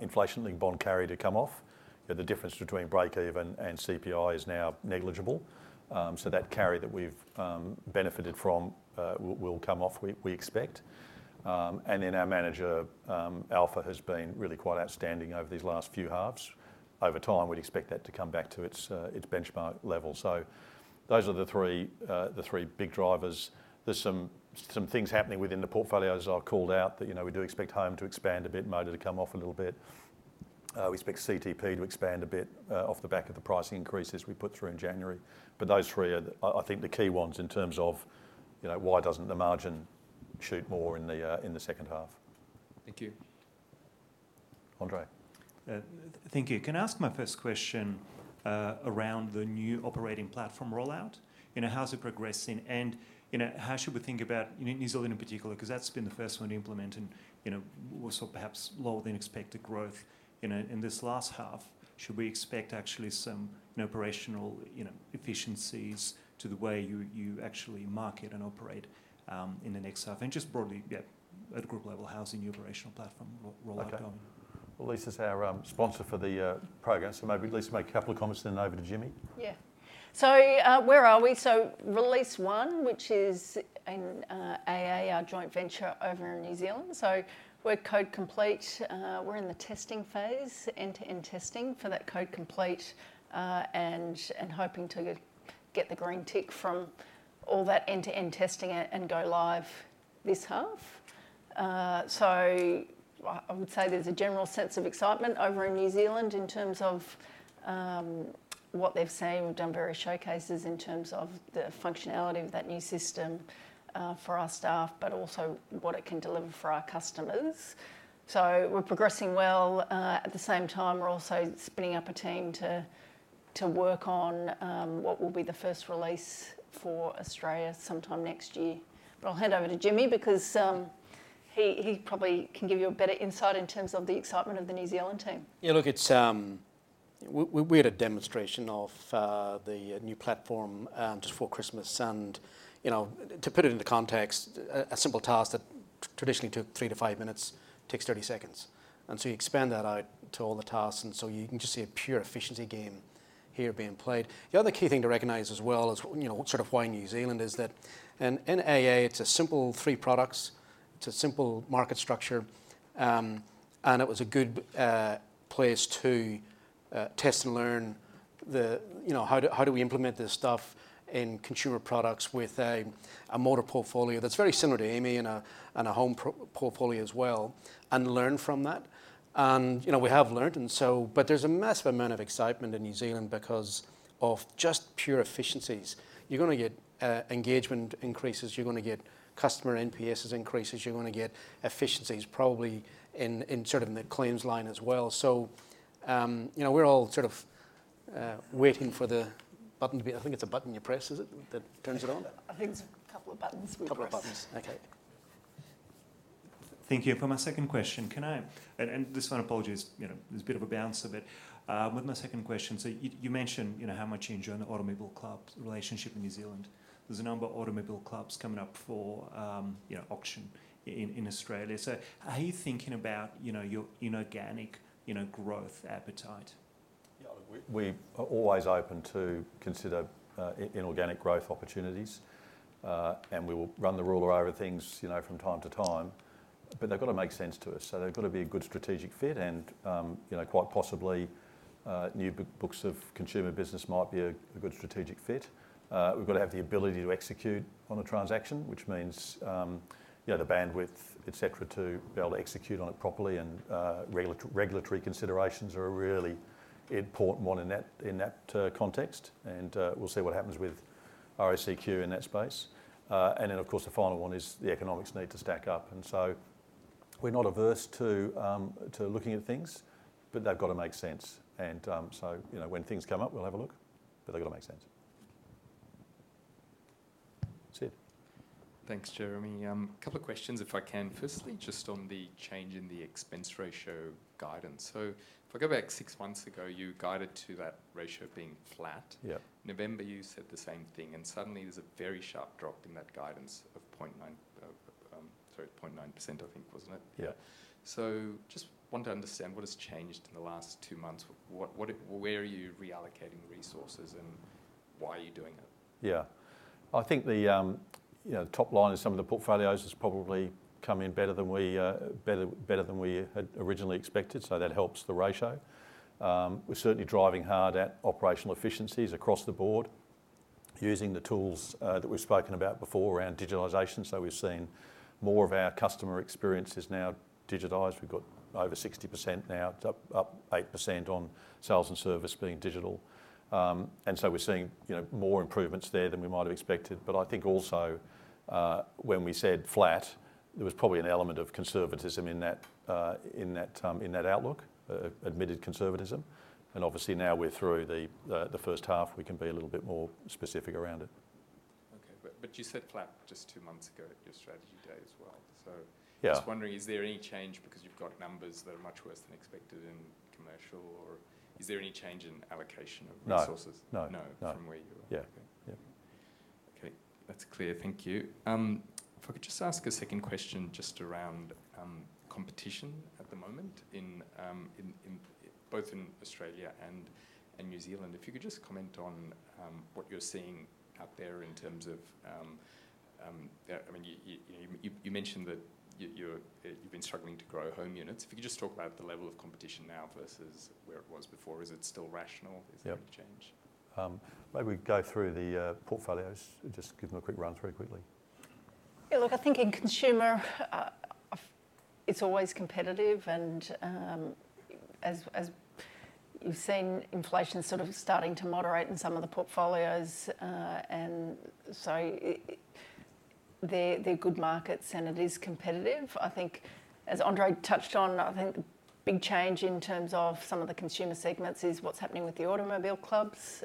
inflation and bond carry to come off. The difference between break-even and CPI is now negligible. So that carry that we've benefited from will come off, we expect. And then our managed alpha has been really quite outstanding over these last few halves. Over time, we'd expect that to come back to its benchmark level. So those are the three big drivers. There's some things happening within the portfolios I've called out that we do expect home to expand a bit, motor to come off a little bit. We expect CTP to expand a bit off the back of the price increases we put through in January. But those three are, I think, the key ones in terms of why doesn't the margin shoot more in the second half. Thank you. Andrei. Thank you. Can I ask my first question around the new operating platform rollout? How's it progressing? And how should we think about New Zealand in particular? Because that's been the first one to implement and saw perhaps lower than expected growth in this last half. Should we expect actually some operational efficiencies to the way you actually market and operate in the next half? And just broadly, at group level, how's the new operational platform rollout going? Okay. Lisa's our sponsor for the program, so maybe Lisa, a couple of comments and then over to Jimmy. Yeah. So where are we? So release one, which is in AA, our joint venture over in New Zealand. So we're code complete. We're in the testing phase, end-to-end testing for that code complete, and hoping to get the green tick from all that end-to-end testing and go live this half. So I would say there's a general sense of excitement over in New Zealand in terms of what they've seen. We've done various showcases in terms of the functionality of that new system for our staff, but also what it can deliver for our customers. So we're progressing well. At the same time, we're also spinning up a team to work on what will be the first release for Australia sometime next year, but I'll hand over to Jimmy because he probably can give you a better insight in terms of the excitement of the New Zealand team. Yeah, look, we had a demonstration of the new platform just before Christmas. And to put it into context, a simple task that traditionally took three to five minutes takes 30 seconds. And so you expand that out to all the tasks. And so you can just see a pure efficiency game here being played. The other key thing to recognize as well is sort of why New Zealand is that in AA. It's a simple three products. It's a simple market structure. And it was a good place to test and learn how do we implement this stuff in Consumer products with a motor portfolio that's very similar to AAMI and a home portfolio as well and learn from that. And we have learned. But there's a massive amount of excitement in New Zealand because of just pure efficiencies. You're going to get engagement increases. You're going to get customer NPS increases. You're going to get efficiencies probably in sort of the claims line as well. So we're all sort of waiting for the button to be, I think it's a button you press, is it, that turns it on? I think there's a couple of buttons. A couple of buttons. Okay. Thank you. For my second question, can I—and this one, apologies, there's a bit of a bounce of it. With my second question, so you mentioned how much you enjoy the automobile club relationship in New Zealand. There's a number of automobile clubs coming up for auction in Australia. So how are you thinking about your inorganic growth appetite? Yeah, look, we're always open to consider inorganic growth opportunities. And we will run the ruler over things from time to time. But they've got to make sense to us. So they've got to be a good strategic fit. And quite possibly, new books of Consumer business might be a good strategic fit. We've got to have the ability to execute on a transaction, which means the bandwidth, etc., to be able to execute on it properly. And regulatory considerations are a really important one in that context. And we'll see what happens with RACQ in that space. And then, of course, the final one is the economics need to stack up. And so we're not averse to looking at things, but they've got to make sense. And so when things come up, we'll have a look. But they've got to make sense. Thanks, Jeremy. A couple of questions, if I can. Firstly, just on the change in the expense ratio guidance. So if I go back six months ago, you guided to that ratio being flat. November, you said the same thing. And suddenly, there's a very sharp drop in that guidance of 0.9%, I think, wasn't it? Yeah. So just want to understand what has changed in the last two months. Where are you reallocating resources and why are you doing it? Yeah. I think the top line in some of the portfolios has probably come in better than we had originally expected. So that helps the ratio. We're certainly driving hard at operational efficiencies across the board, using the tools that we've spoken about before around digitalization. So we've seen more of our customer experience is now digitized. We've got over 60% now. It's up 8% on sales and service being digital. And so we're seeing more improvements there than we might have expected. But I think also when we said flat, there was probably an element of conservatism in that outlook, admitted conservatism. And obviously now we're through the first half. We can be a little bit more specific around it. Okay. But you said flat just two months ago at your strategy day as well. So I was wondering, is there any change because you've got numbers that are much worse than expected in commercial? Or is there any change in allocation of resources? No. No. No from where you are? Yeah. Okay. That's clear. Thank you. If I could just ask a second question just around competition at the moment, both in Australia and New Zealand. If you could just comment on what you're seeing out there in terms of, I mean, you mentioned that you've been struggling to grow home units. If you could just talk about the level of competition now versus where it was before. Is it still rational? Is there any change? Maybe we go through the portfolios and just give them a quick run through quickly. Yeah, look, I think in Consumer, it's always competitive. And as you've seen, inflation is sort of starting to moderate in some of the portfolios. And so they're good markets and it is competitive. I think, as Andrei touched on, I think the big change in terms of some of the Consumer segments is what's happening with the automobile clubs.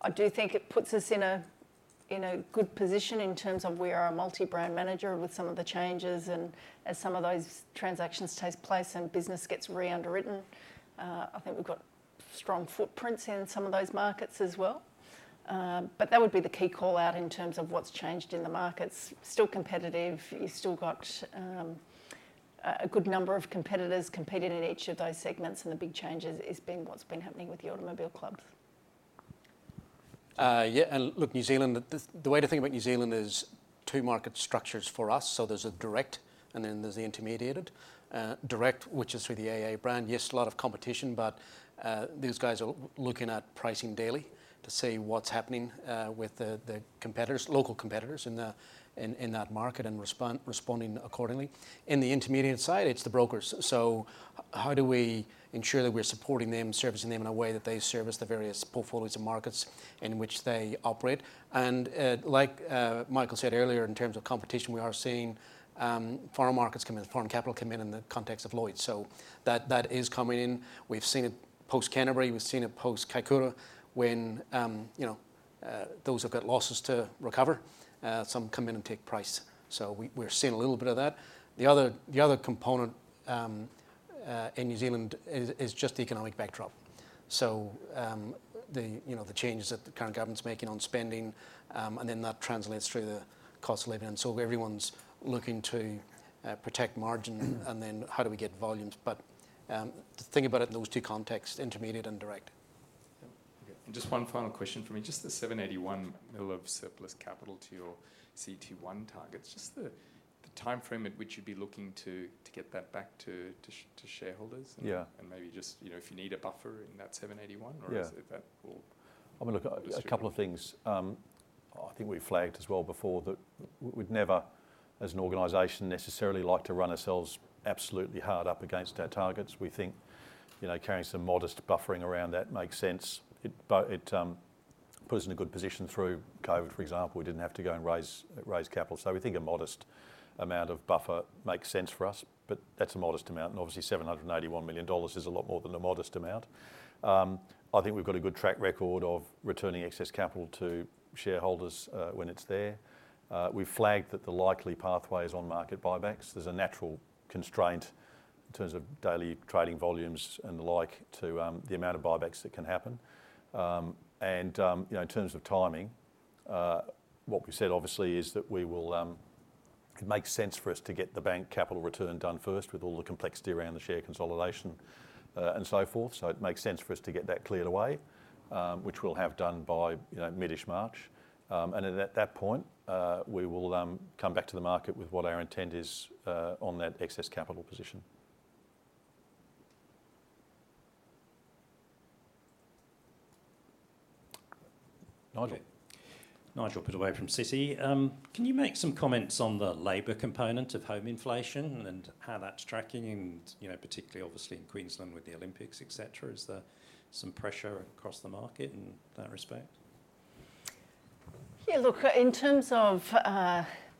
I do think it puts us in a good position in terms of we are a multi-brand manager with some of the changes. And as some of those transactions take place and business gets re-underwritten, I think we've got strong footprints in some of those markets as well. But that would be the key call out in terms of what's changed in the markets. Still competitive. You've still got a good number of competitors competing in each of those segments. The big change has been what's been happening with the automobile clubs. Yeah. And look, New Zealand, the way to think about New Zealand is two market structures for us. So there's a direct and then there's the intermediated. Direct, which is through the AA brand. Yes, a lot of competition, but these guys are looking at pricing daily to see what's happening with the local competitors in that market and responding accordingly. In the intermediated side, it's the brokers. So how do we ensure that we're supporting them, servicing them in a way that they service the various portfolios and markets in which they operate? And like Michael said earlier, in terms of competition, we are seeing foreign markets come in, foreign capital come in in the context of Lloyd's. So that is coming in. We've seen it post-Canterbury. We've seen it post-Kaikoura when those who've got losses to recover, some come in and take price. So we're seeing a little bit of that. The other component in New Zealand is just the economic backdrop. So the changes that the current government's making on spending, and then that translates through the cost of living. And so everyone's looking to protect margin and then how do we get volumes. But to think about it in those two contexts, intermediary and direct. Okay. And just one final question for me. Just the 7.81% in the middle of surplus capital to your CET1 targets. Just the time frame at which you'd be looking to get that back to shareholders and maybe just if you need a buffer in that 7.81% or is it that? I mean, look, a couple of things. I think we've flagged as well before that we'd never, as an organization, necessarily like to run ourselves absolutely hard up against our targets. We think carrying some modest buffering around that makes sense. It puts us in a good position through COVID, for example. We didn't have to go and raise capital. So we think a modest amount of buffer makes sense for us. But that's a modest amount. And obviously, 781 million dollars is a lot more than a modest amount. I think we've got a good track record of returning excess capital to shareholders when it's there. We've flagged that the likely pathway is on market buybacks. There's a natural constraint in terms of daily trading volumes and the like to the amount of buybacks that can happen. And in terms of timing, what we've said, obviously, is that it makes sense for us to get the bank capital return done first with all the complexity around the share consolidation and so forth. So it makes sense for us to get that cleared away, which we'll have done by mid-ish March. And at that point, we will come back to the market with what our intent is on that excess capital position. Nigel Pittaway from Citi. Can you make some comments on the labor component of home inflation and how that's tracking, and particularly, obviously, in Queensland with the Olympics, etc.? Is there some pressure across the market in that respect? Yeah, look, in terms of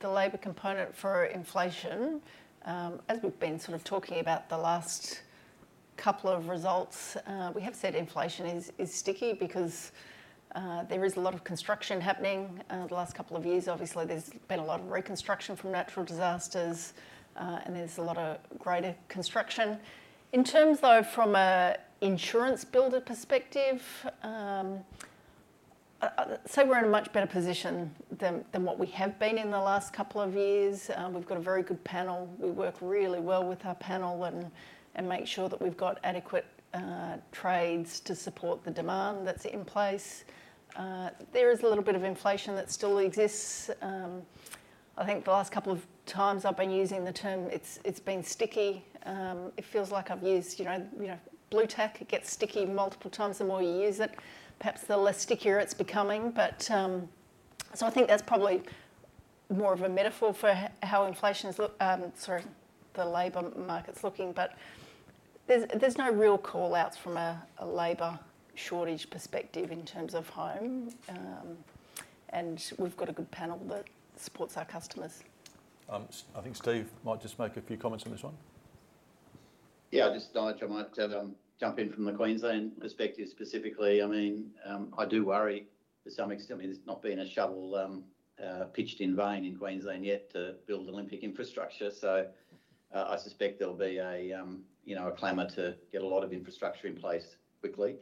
the labor component for inflation, as we've been sort of talking about the last couple of results, we have said inflation is sticky because there is a lot of construction happening the last couple of years. Obviously, there's been a lot of reconstruction from natural disasters, and there's a lot of greater construction. In terms, though, from an insurance builder perspective, I'd say we're in a much better position than what we have been in the last couple of years. We've got a very good panel. We work really well with our panel and make sure that we've got adequate trades to support the demand that's in place. There is a little bit of inflation that still exists. I think the last couple of times I've been using the term, it's been sticky. It feels like I've used Blu Tack. It gets sticky multiple times. The more you use it, perhaps the less stickier it's becoming. But so I think that's probably more of a metaphor for how inflation's looking, sorry, the labor market's looking. But there's no real call outs from a labor shortage perspective in terms of home. And we've got a good panel that supports our customers. I think Steve might just make a few comments on this one. Yeah, I'll just dodge. I might jump in from the Queensland perspective specifically. I mean, I do worry to some extent. I mean, there's not been a shovel pitched in vain in Queensland yet to build Olympic infrastructure. So I suspect there'll be a clamor to get a lot of infrastructure in place quickly.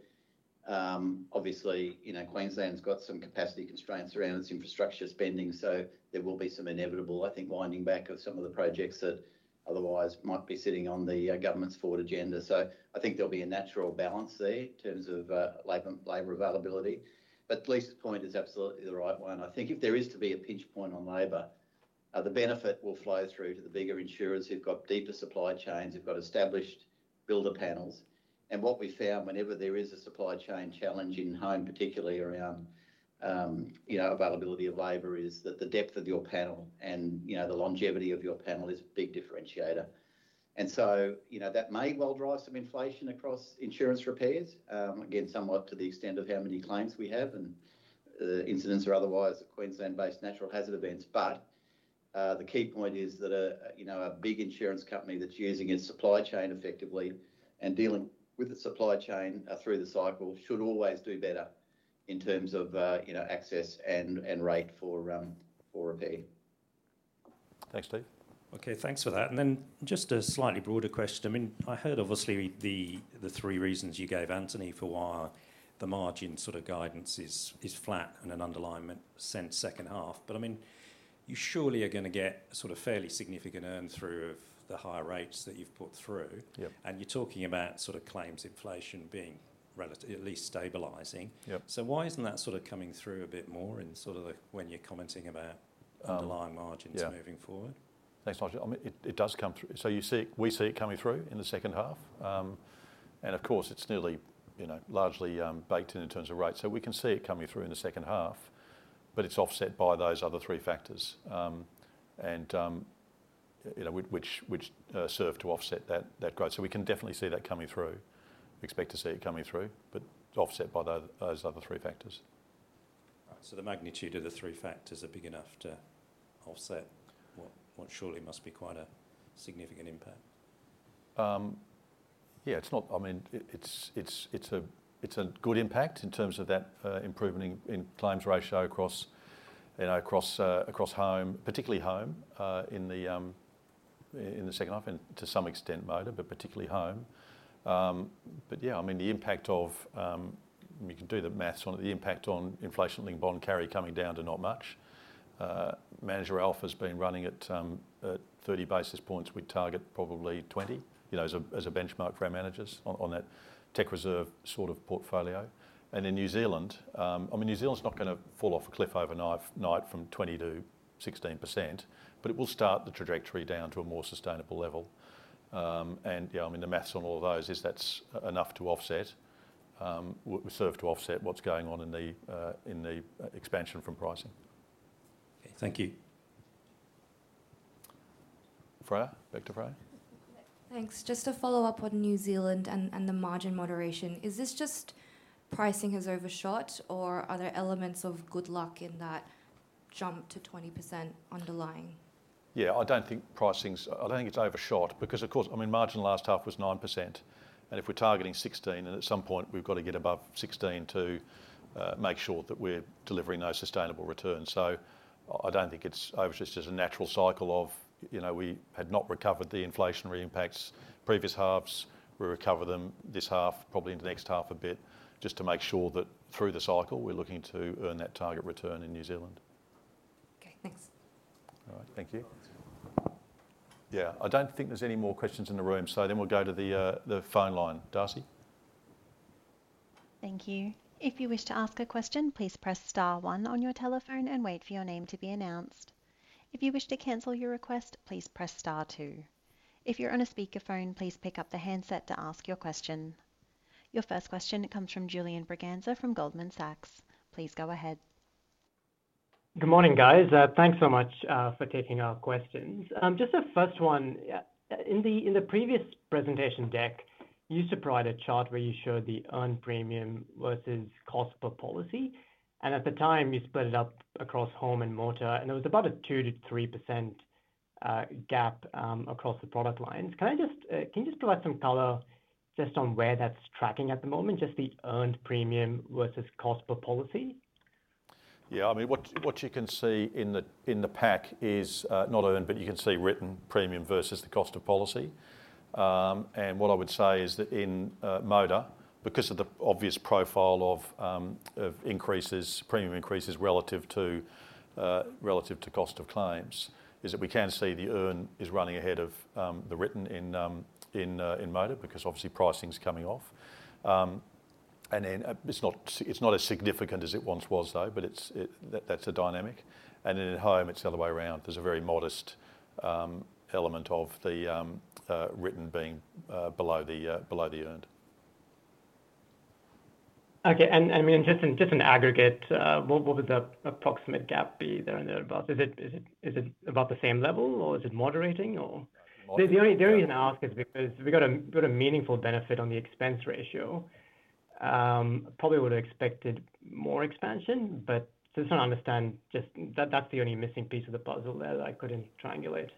Obviously, Queensland's got some capacity constraints around its infrastructure spending. So there will be some inevitable, I think, winding back of some of the projects that otherwise might be sitting on the government's forward agenda. So I think there'll be a natural balance there in terms of labor availability. But Lisa's point is absolutely the right one. I think if there is to be a pinch point on labor, the benefit will flow through to the bigger insurers. You've got deeper supply chains. You've got established builder panels. And what we found whenever there is a supply chain challenge in home, particularly around availability of labor, is that the depth of your panel and the longevity of your panel is a big differentiator. And so that may well drive some inflation across insurance repairs, again, somewhat to the extent of how many claims we have and incidents or otherwise at Queensland-based natural hazard events. But the key point is that a big insurance company that's using its supply chain effectively and dealing with the supply chain through the cycle should always do better in terms of access and rate for repair. Thanks, Steve. Okay, thanks for that. And then just a slightly broader question. I mean, I heard obviously the three reasons you gave, Jeremy, for why the margin sort of guidance is flat and an underlying sense second half. But I mean, you surely are going to get sort of fairly significant earn-through of the higher rates that you've put through. And you're talking about sort of claims inflation being at least stabilizing. So why isn't that sort of coming through a bit more in sort of when you're commenting about underlying margins moving forward? Thanks, Roger. I mean, it does come through, so we see it coming through in the second half, and of course, it's already largely baked in terms of rates, so we can see it coming through in the second half, but it's offset by those other three factors, which serve to offset that growth, so we can definitely see that coming through. Expect to see it coming through, but offset by those other three factors. The magnitude of the three factors are big enough to offset what surely must be quite a significant impact. Yeah, it's not. I mean, it's a good impact in terms of that improvement in claims ratio across home, particularly home in the second half and to some extent motor, but particularly home. But yeah, I mean, the impact. You can do the math on it. The impact on inflation-linked bond carry coming down to not much. Managed alpha's been running at 30 basis points. We target probably 20 as a benchmark for our managers on that tech reserve sort of portfolio. And in New Zealand, I mean, New Zealand's not going to fall off a cliff overnight from 20% to 16%, but it will start the trajectory down to a more sustainable level. And yeah, I mean, the math on all of those is that's enough to offset, serve to offset what's going on in the expansion from pricing. Okay. Thank you. Freya, back to Freya. Thanks. Just to follow up on New Zealand and the margin moderation, is this just pricing has overshot or are there elements of good luck in that jump to 20% underlying? Yeah, I don't think pricing's overshot because, of course, I mean, margin last half was 9%. And if we're targeting 16%, then at some point we've got to get above 16% to make sure that we're delivering those sustainable returns. So I don't think it's overshot. It's just a natural cycle of we had not recovered the inflationary impacts previous halves. We recover them this half, probably into next half a bit, just to make sure that through the cycle we're looking to earn that target return in New Zealand. Okay. Thanks. All right. Thank you. Yeah, I don't think there's any more questions in the room. So then we'll go to the phone line. Darcy? Thank you. If you wish to ask a question, please press star one on your telephone and wait for your name to be announced. If you wish to cancel your request, please press star two. If you're on a speakerphone, please pick up the handset to ask your question. Your first question comes from Julian Braganza from Goldman Sachs. Please go ahead. Good morning, guys. Thanks so much for taking our questions. Just a first one. In the previous presentation deck, you used to provide a chart where you showed the earned premium versus cost per policy. And at the time, you split it up across home and motor, and there was about a 2%-3% gap across the product lines. Can you just provide some color just on where that's tracking at the moment, just the earned premium versus cost per policy? Yeah. I mean, what you can see in the pack is not earned, but you can see written premium versus the cost of policy. And what I would say is that in motor, because of the obvious profile of premium increases relative to cost of claims, is that we can see the earn is running ahead of the written in motor because obviously pricing's coming off. And then it's not as significant as it once was, though, but that's a dynamic. And then in home, it's the other way around. There's a very modest element of the written being below the earned. Okay. And I mean, just in aggregate, what would the approximate gap be there about? Is it about the same level or is it moderating or? The only reason I ask is because we've got a meaningful benefit on the expense ratio. Probably would have expected more expansion, but just trying to understand that's the only missing piece of the puzzle there that I couldn't triangulate.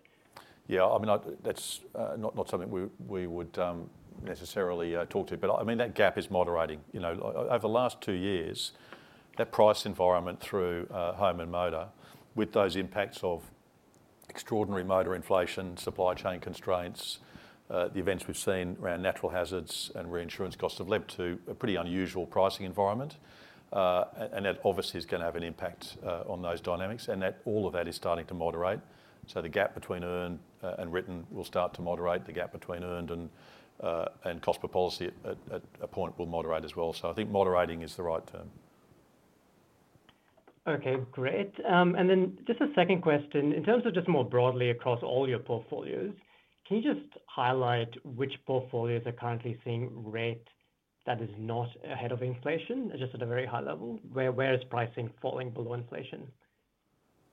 Yeah. I mean, that's not something we would necessarily talk to. But I mean, that gap is moderating. Over the last two years, that price environment through home and motor, with those impacts of extraordinary motor inflation, supply chain constraints, the events we've seen around natural hazards and reinsurance costs have led to a pretty unusual pricing environment. And that obviously is going to have an impact on those dynamics. And all of that is starting to moderate. So the gap between earned and written will start to moderate. The gap between earned and cost per policy at a point will moderate as well. So I think moderating is the right term. Okay. Great. And then just a second question. In terms of just more broadly across all your portfolios, can you just highlight which portfolios are currently seeing rate that is not ahead of inflation, just at a very high level? Where is pricing falling below inflation?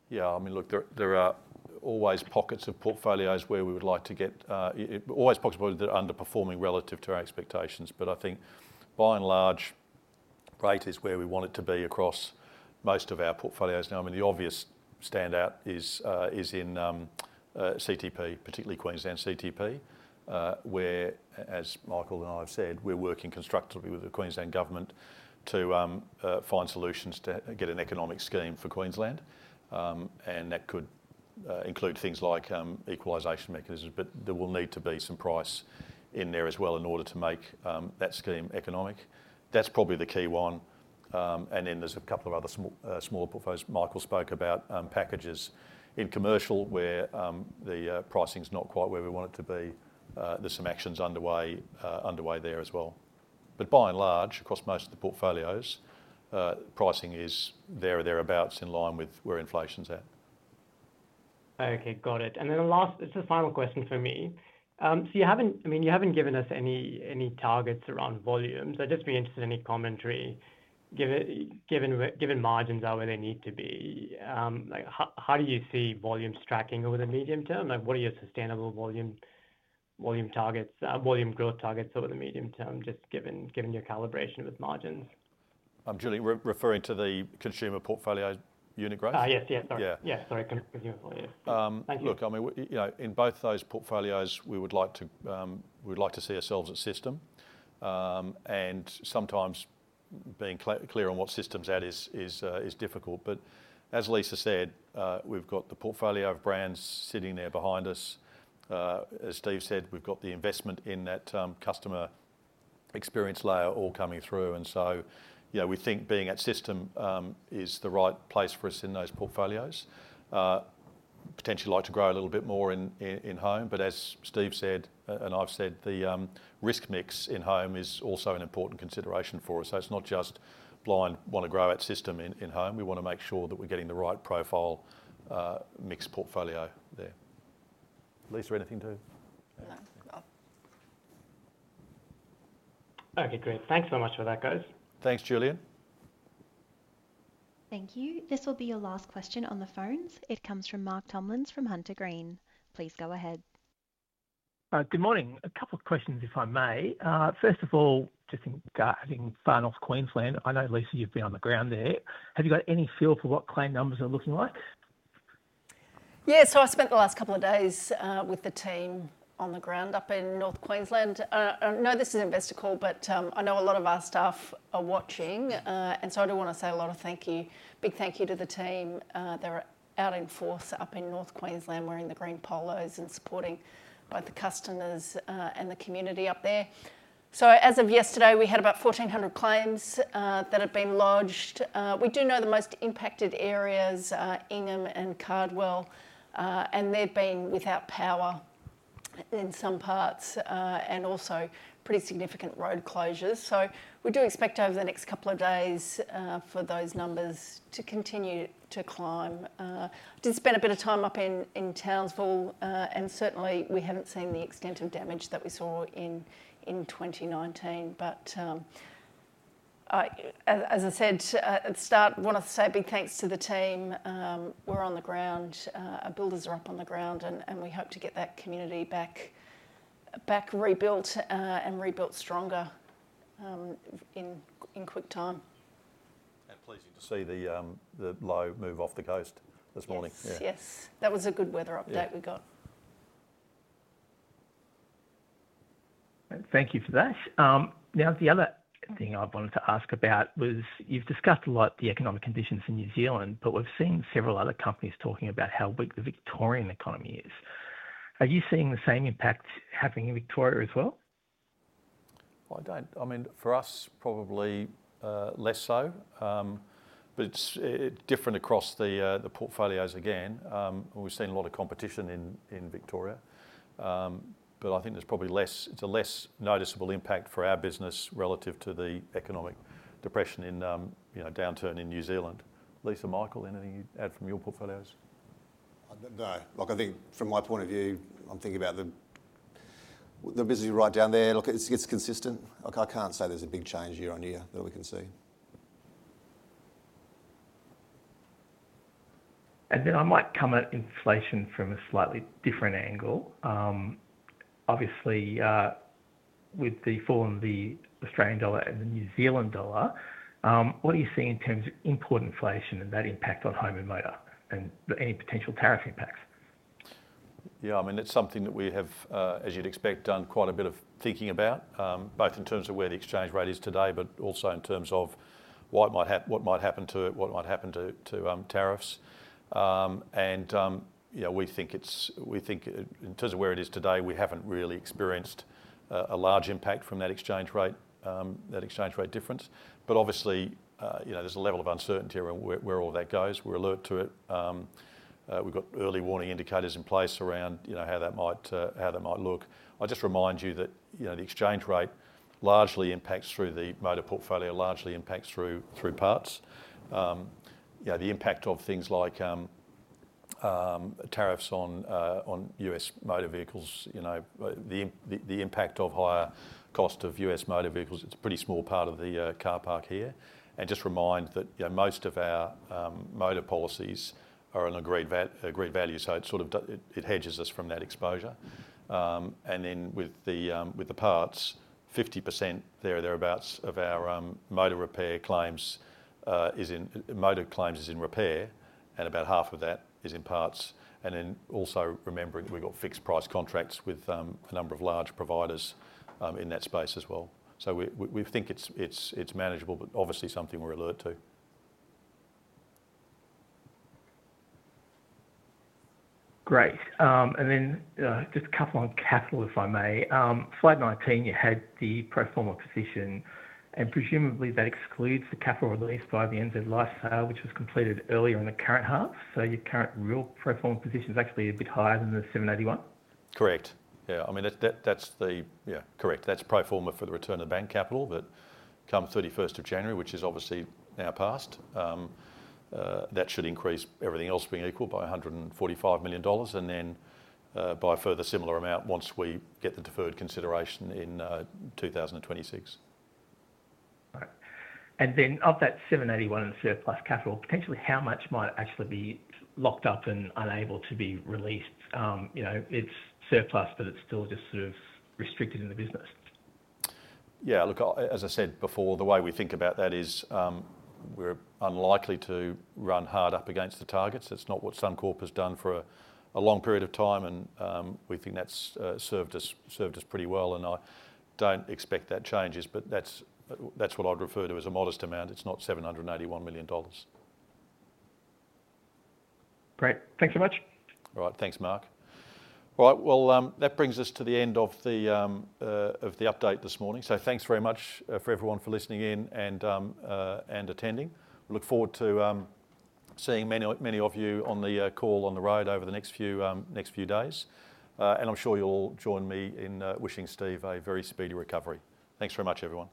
Yeah. I mean, look, there are always pockets of portfolios where we would like to get always pockets of portfolios that are underperforming relative to our expectations. But I think by and large, rate is where we want it to be across most of our portfolios. Now, I mean, the obvious standout is in CTP, particularly Queensland CTP, where, as Michael and I have said, we're working constructively with the Queensland government to find solutions to get an economic scheme for Queensland. And that could include things like equalization mechanisms. But there will need to be some price in there as well in order to make that scheme economic. That's probably the key one. And then there's a couple of other smaller portfolios. Michael spoke about packages in commercial where the pricing's not quite where we want it to be. There's some actions underway there as well. But by and large, across most of the portfolios, pricing is there or thereabouts in line with where inflation's at. Okay. Got it. And then the last, just a final question for me. So, I mean, you haven't given us any targets around volumes. I'd just be interested in any commentary. Given margins are where they need to be, how do you see volumes tracking over the medium term? What are your sustainable volume targets, volume growth targets over the medium term, just given your calibration with margins? I'm Julian, referring to the Consumer portfolio unit growth? Yes. Sorry. Consumer portfolio. Thank you. Look, I mean, in both those portfolios, we would like to see ourselves at system, and sometimes being clear on what system's at is difficult, but as Lisa said, we've got the portfolio of brands sitting there behind us. As Steve said, we've got the investment in that customer experience layer all coming through, and so we think being at system is the right place for us in those portfolios. Potentially like to grow a little bit more in home, but as Steve said, and I've said, the risk mix in home is also an important consideration for us, so it's not just blind want to grow at system in home. We want to make sure that we're getting the right profile mixed portfolio there. Lisa, anything to add? No. Okay. Great. Thanks so much for that, guys. Thanks, Julian. Thank you. This will be your last question on the phones. It comes from Mark Tomlins from Morgans Financial. Please go ahead. Good morning. A couple of questions, if I may. First of all, just having Far North Queensland, I know, Lisa, you've been on the ground there. Have you got any feel for what claim numbers are looking like? Yeah. So I spent the last couple of days with the team on the ground up in North Queensland. No, this isn't best to call, but I know a lot of our staff are watching. And so I do want to say a lot of thank you, big thank you to the team. They're out in force up in North Queensland. We're in the green polos and supporting both the customers and the community up there. So as of yesterday, we had about 1,400 claims that had been lodged. We do know the most impacted areas, Ingham and Cardwell, and they've been without power in some parts and also pretty significant road closures. So we do expect over the next couple of days for those numbers to continue to climb. I did spend a bit of time up in Townsville, and certainly we haven't seen the extent of damage that we saw in 2019. But as I said at the start, I want to say big thanks to the team. We're on the ground. Our builders are up on the ground, and we hope to get that community back rebuilt and rebuilt stronger in quick time. Pleasing to see the low move off the coast this morning. Yes. That was a good weather update we got. Thank you for that. Now, the other thing I wanted to ask about was you've discussed a lot the economic conditions in New Zealand, but we've seen several other companies talking about how weak the Victorian economy is. Are you seeing the same impact happening in Victoria as well? I don't. I mean, for us, probably less so. But it's different across the portfolios again. We've seen a lot of competition in Victoria. But I think there's probably less. It's a less noticeable impact for our business relative to the economic depression and downturn in New Zealand. Lisa, Michael, anything you'd add from your portfolios? No. Look, I think from my point of view, I'm thinking about the business you write down there. Look, it's consistent. Look, I can't say there's a big change year on year that we can see. I might come at inflation from a slightly different angle. Obviously, with the fall in the Australian dollar and the New Zealand dollar, what do you see in terms of import inflation and that impact on home and motor and any potential tariff impacts? Yeah. I mean, it's something that we have, as you'd expect, done quite a bit of thinking about, both in terms of where the exchange rate is today, but also in terms of what might happen to it, what might happen to tariffs. And we think in terms of where it is today, we haven't really experienced a large impact from that exchange rate, that exchange rate difference. But obviously, there's a level of uncertainty around where all that goes. We're alert to it. We've got early warning indicators in place around how that might look. I just remind you that the exchange rate largely impacts through the motor portfolio, largely impacts through parts. The impact of things like tariffs on U.S. motor vehicles, the impact of higher cost of U.S. motor vehicles, it's a pretty small part of the car park here. Just remind that most of our motor policies are an agreed value. It sort of hedges us from that exposure. Then with the parts, 50% there or thereabouts of our motor repair claims is in repair, and about half of that is in parts. Also remembering that we've got fixed price contracts with a number of large providers in that space as well. We think it's manageable, but obviously something we're alert to. Great. And then just a couple on capital, if I may. Slide 19, you had the pro forma position, and presumably that excludes the capital released by the NZ Life, which was completed earlier in the current half. So your current real pro forma position is actually a bit higher than the 781? Correct. Yeah. I mean, that's, yeah, correct. That's pro forma for the return of bank capital. But come 31st of January, which is obviously now past, that should increase everything else being equal by 145 million dollars, and then by a further similar amount once we get the deferred consideration in 2026. All right. And then of that 781 and surplus capital, potentially how much might actually be locked up and unable to be released? It's surplus, but it's still just sort of restricted in the business. Yeah. Look, as I said before, the way we think about that is we're unlikely to run hard up against the targets. It's not what Suncorp has done for a long period of time, and we think that's served us pretty well, and I don't expect that changes, but that's what I'd refer to as a modest amount. It's not 781 million dollars. Great. Thanks so much. All right. Thanks, Mark. All right, well, that brings us to the end of the update this morning, so thanks very much for everyone for listening in and attending. Look forward to seeing many of you on the call on the road over the next few days, and I'm sure you'll all join me in wishing Steve a very speedy recovery. Thanks very much, everyone.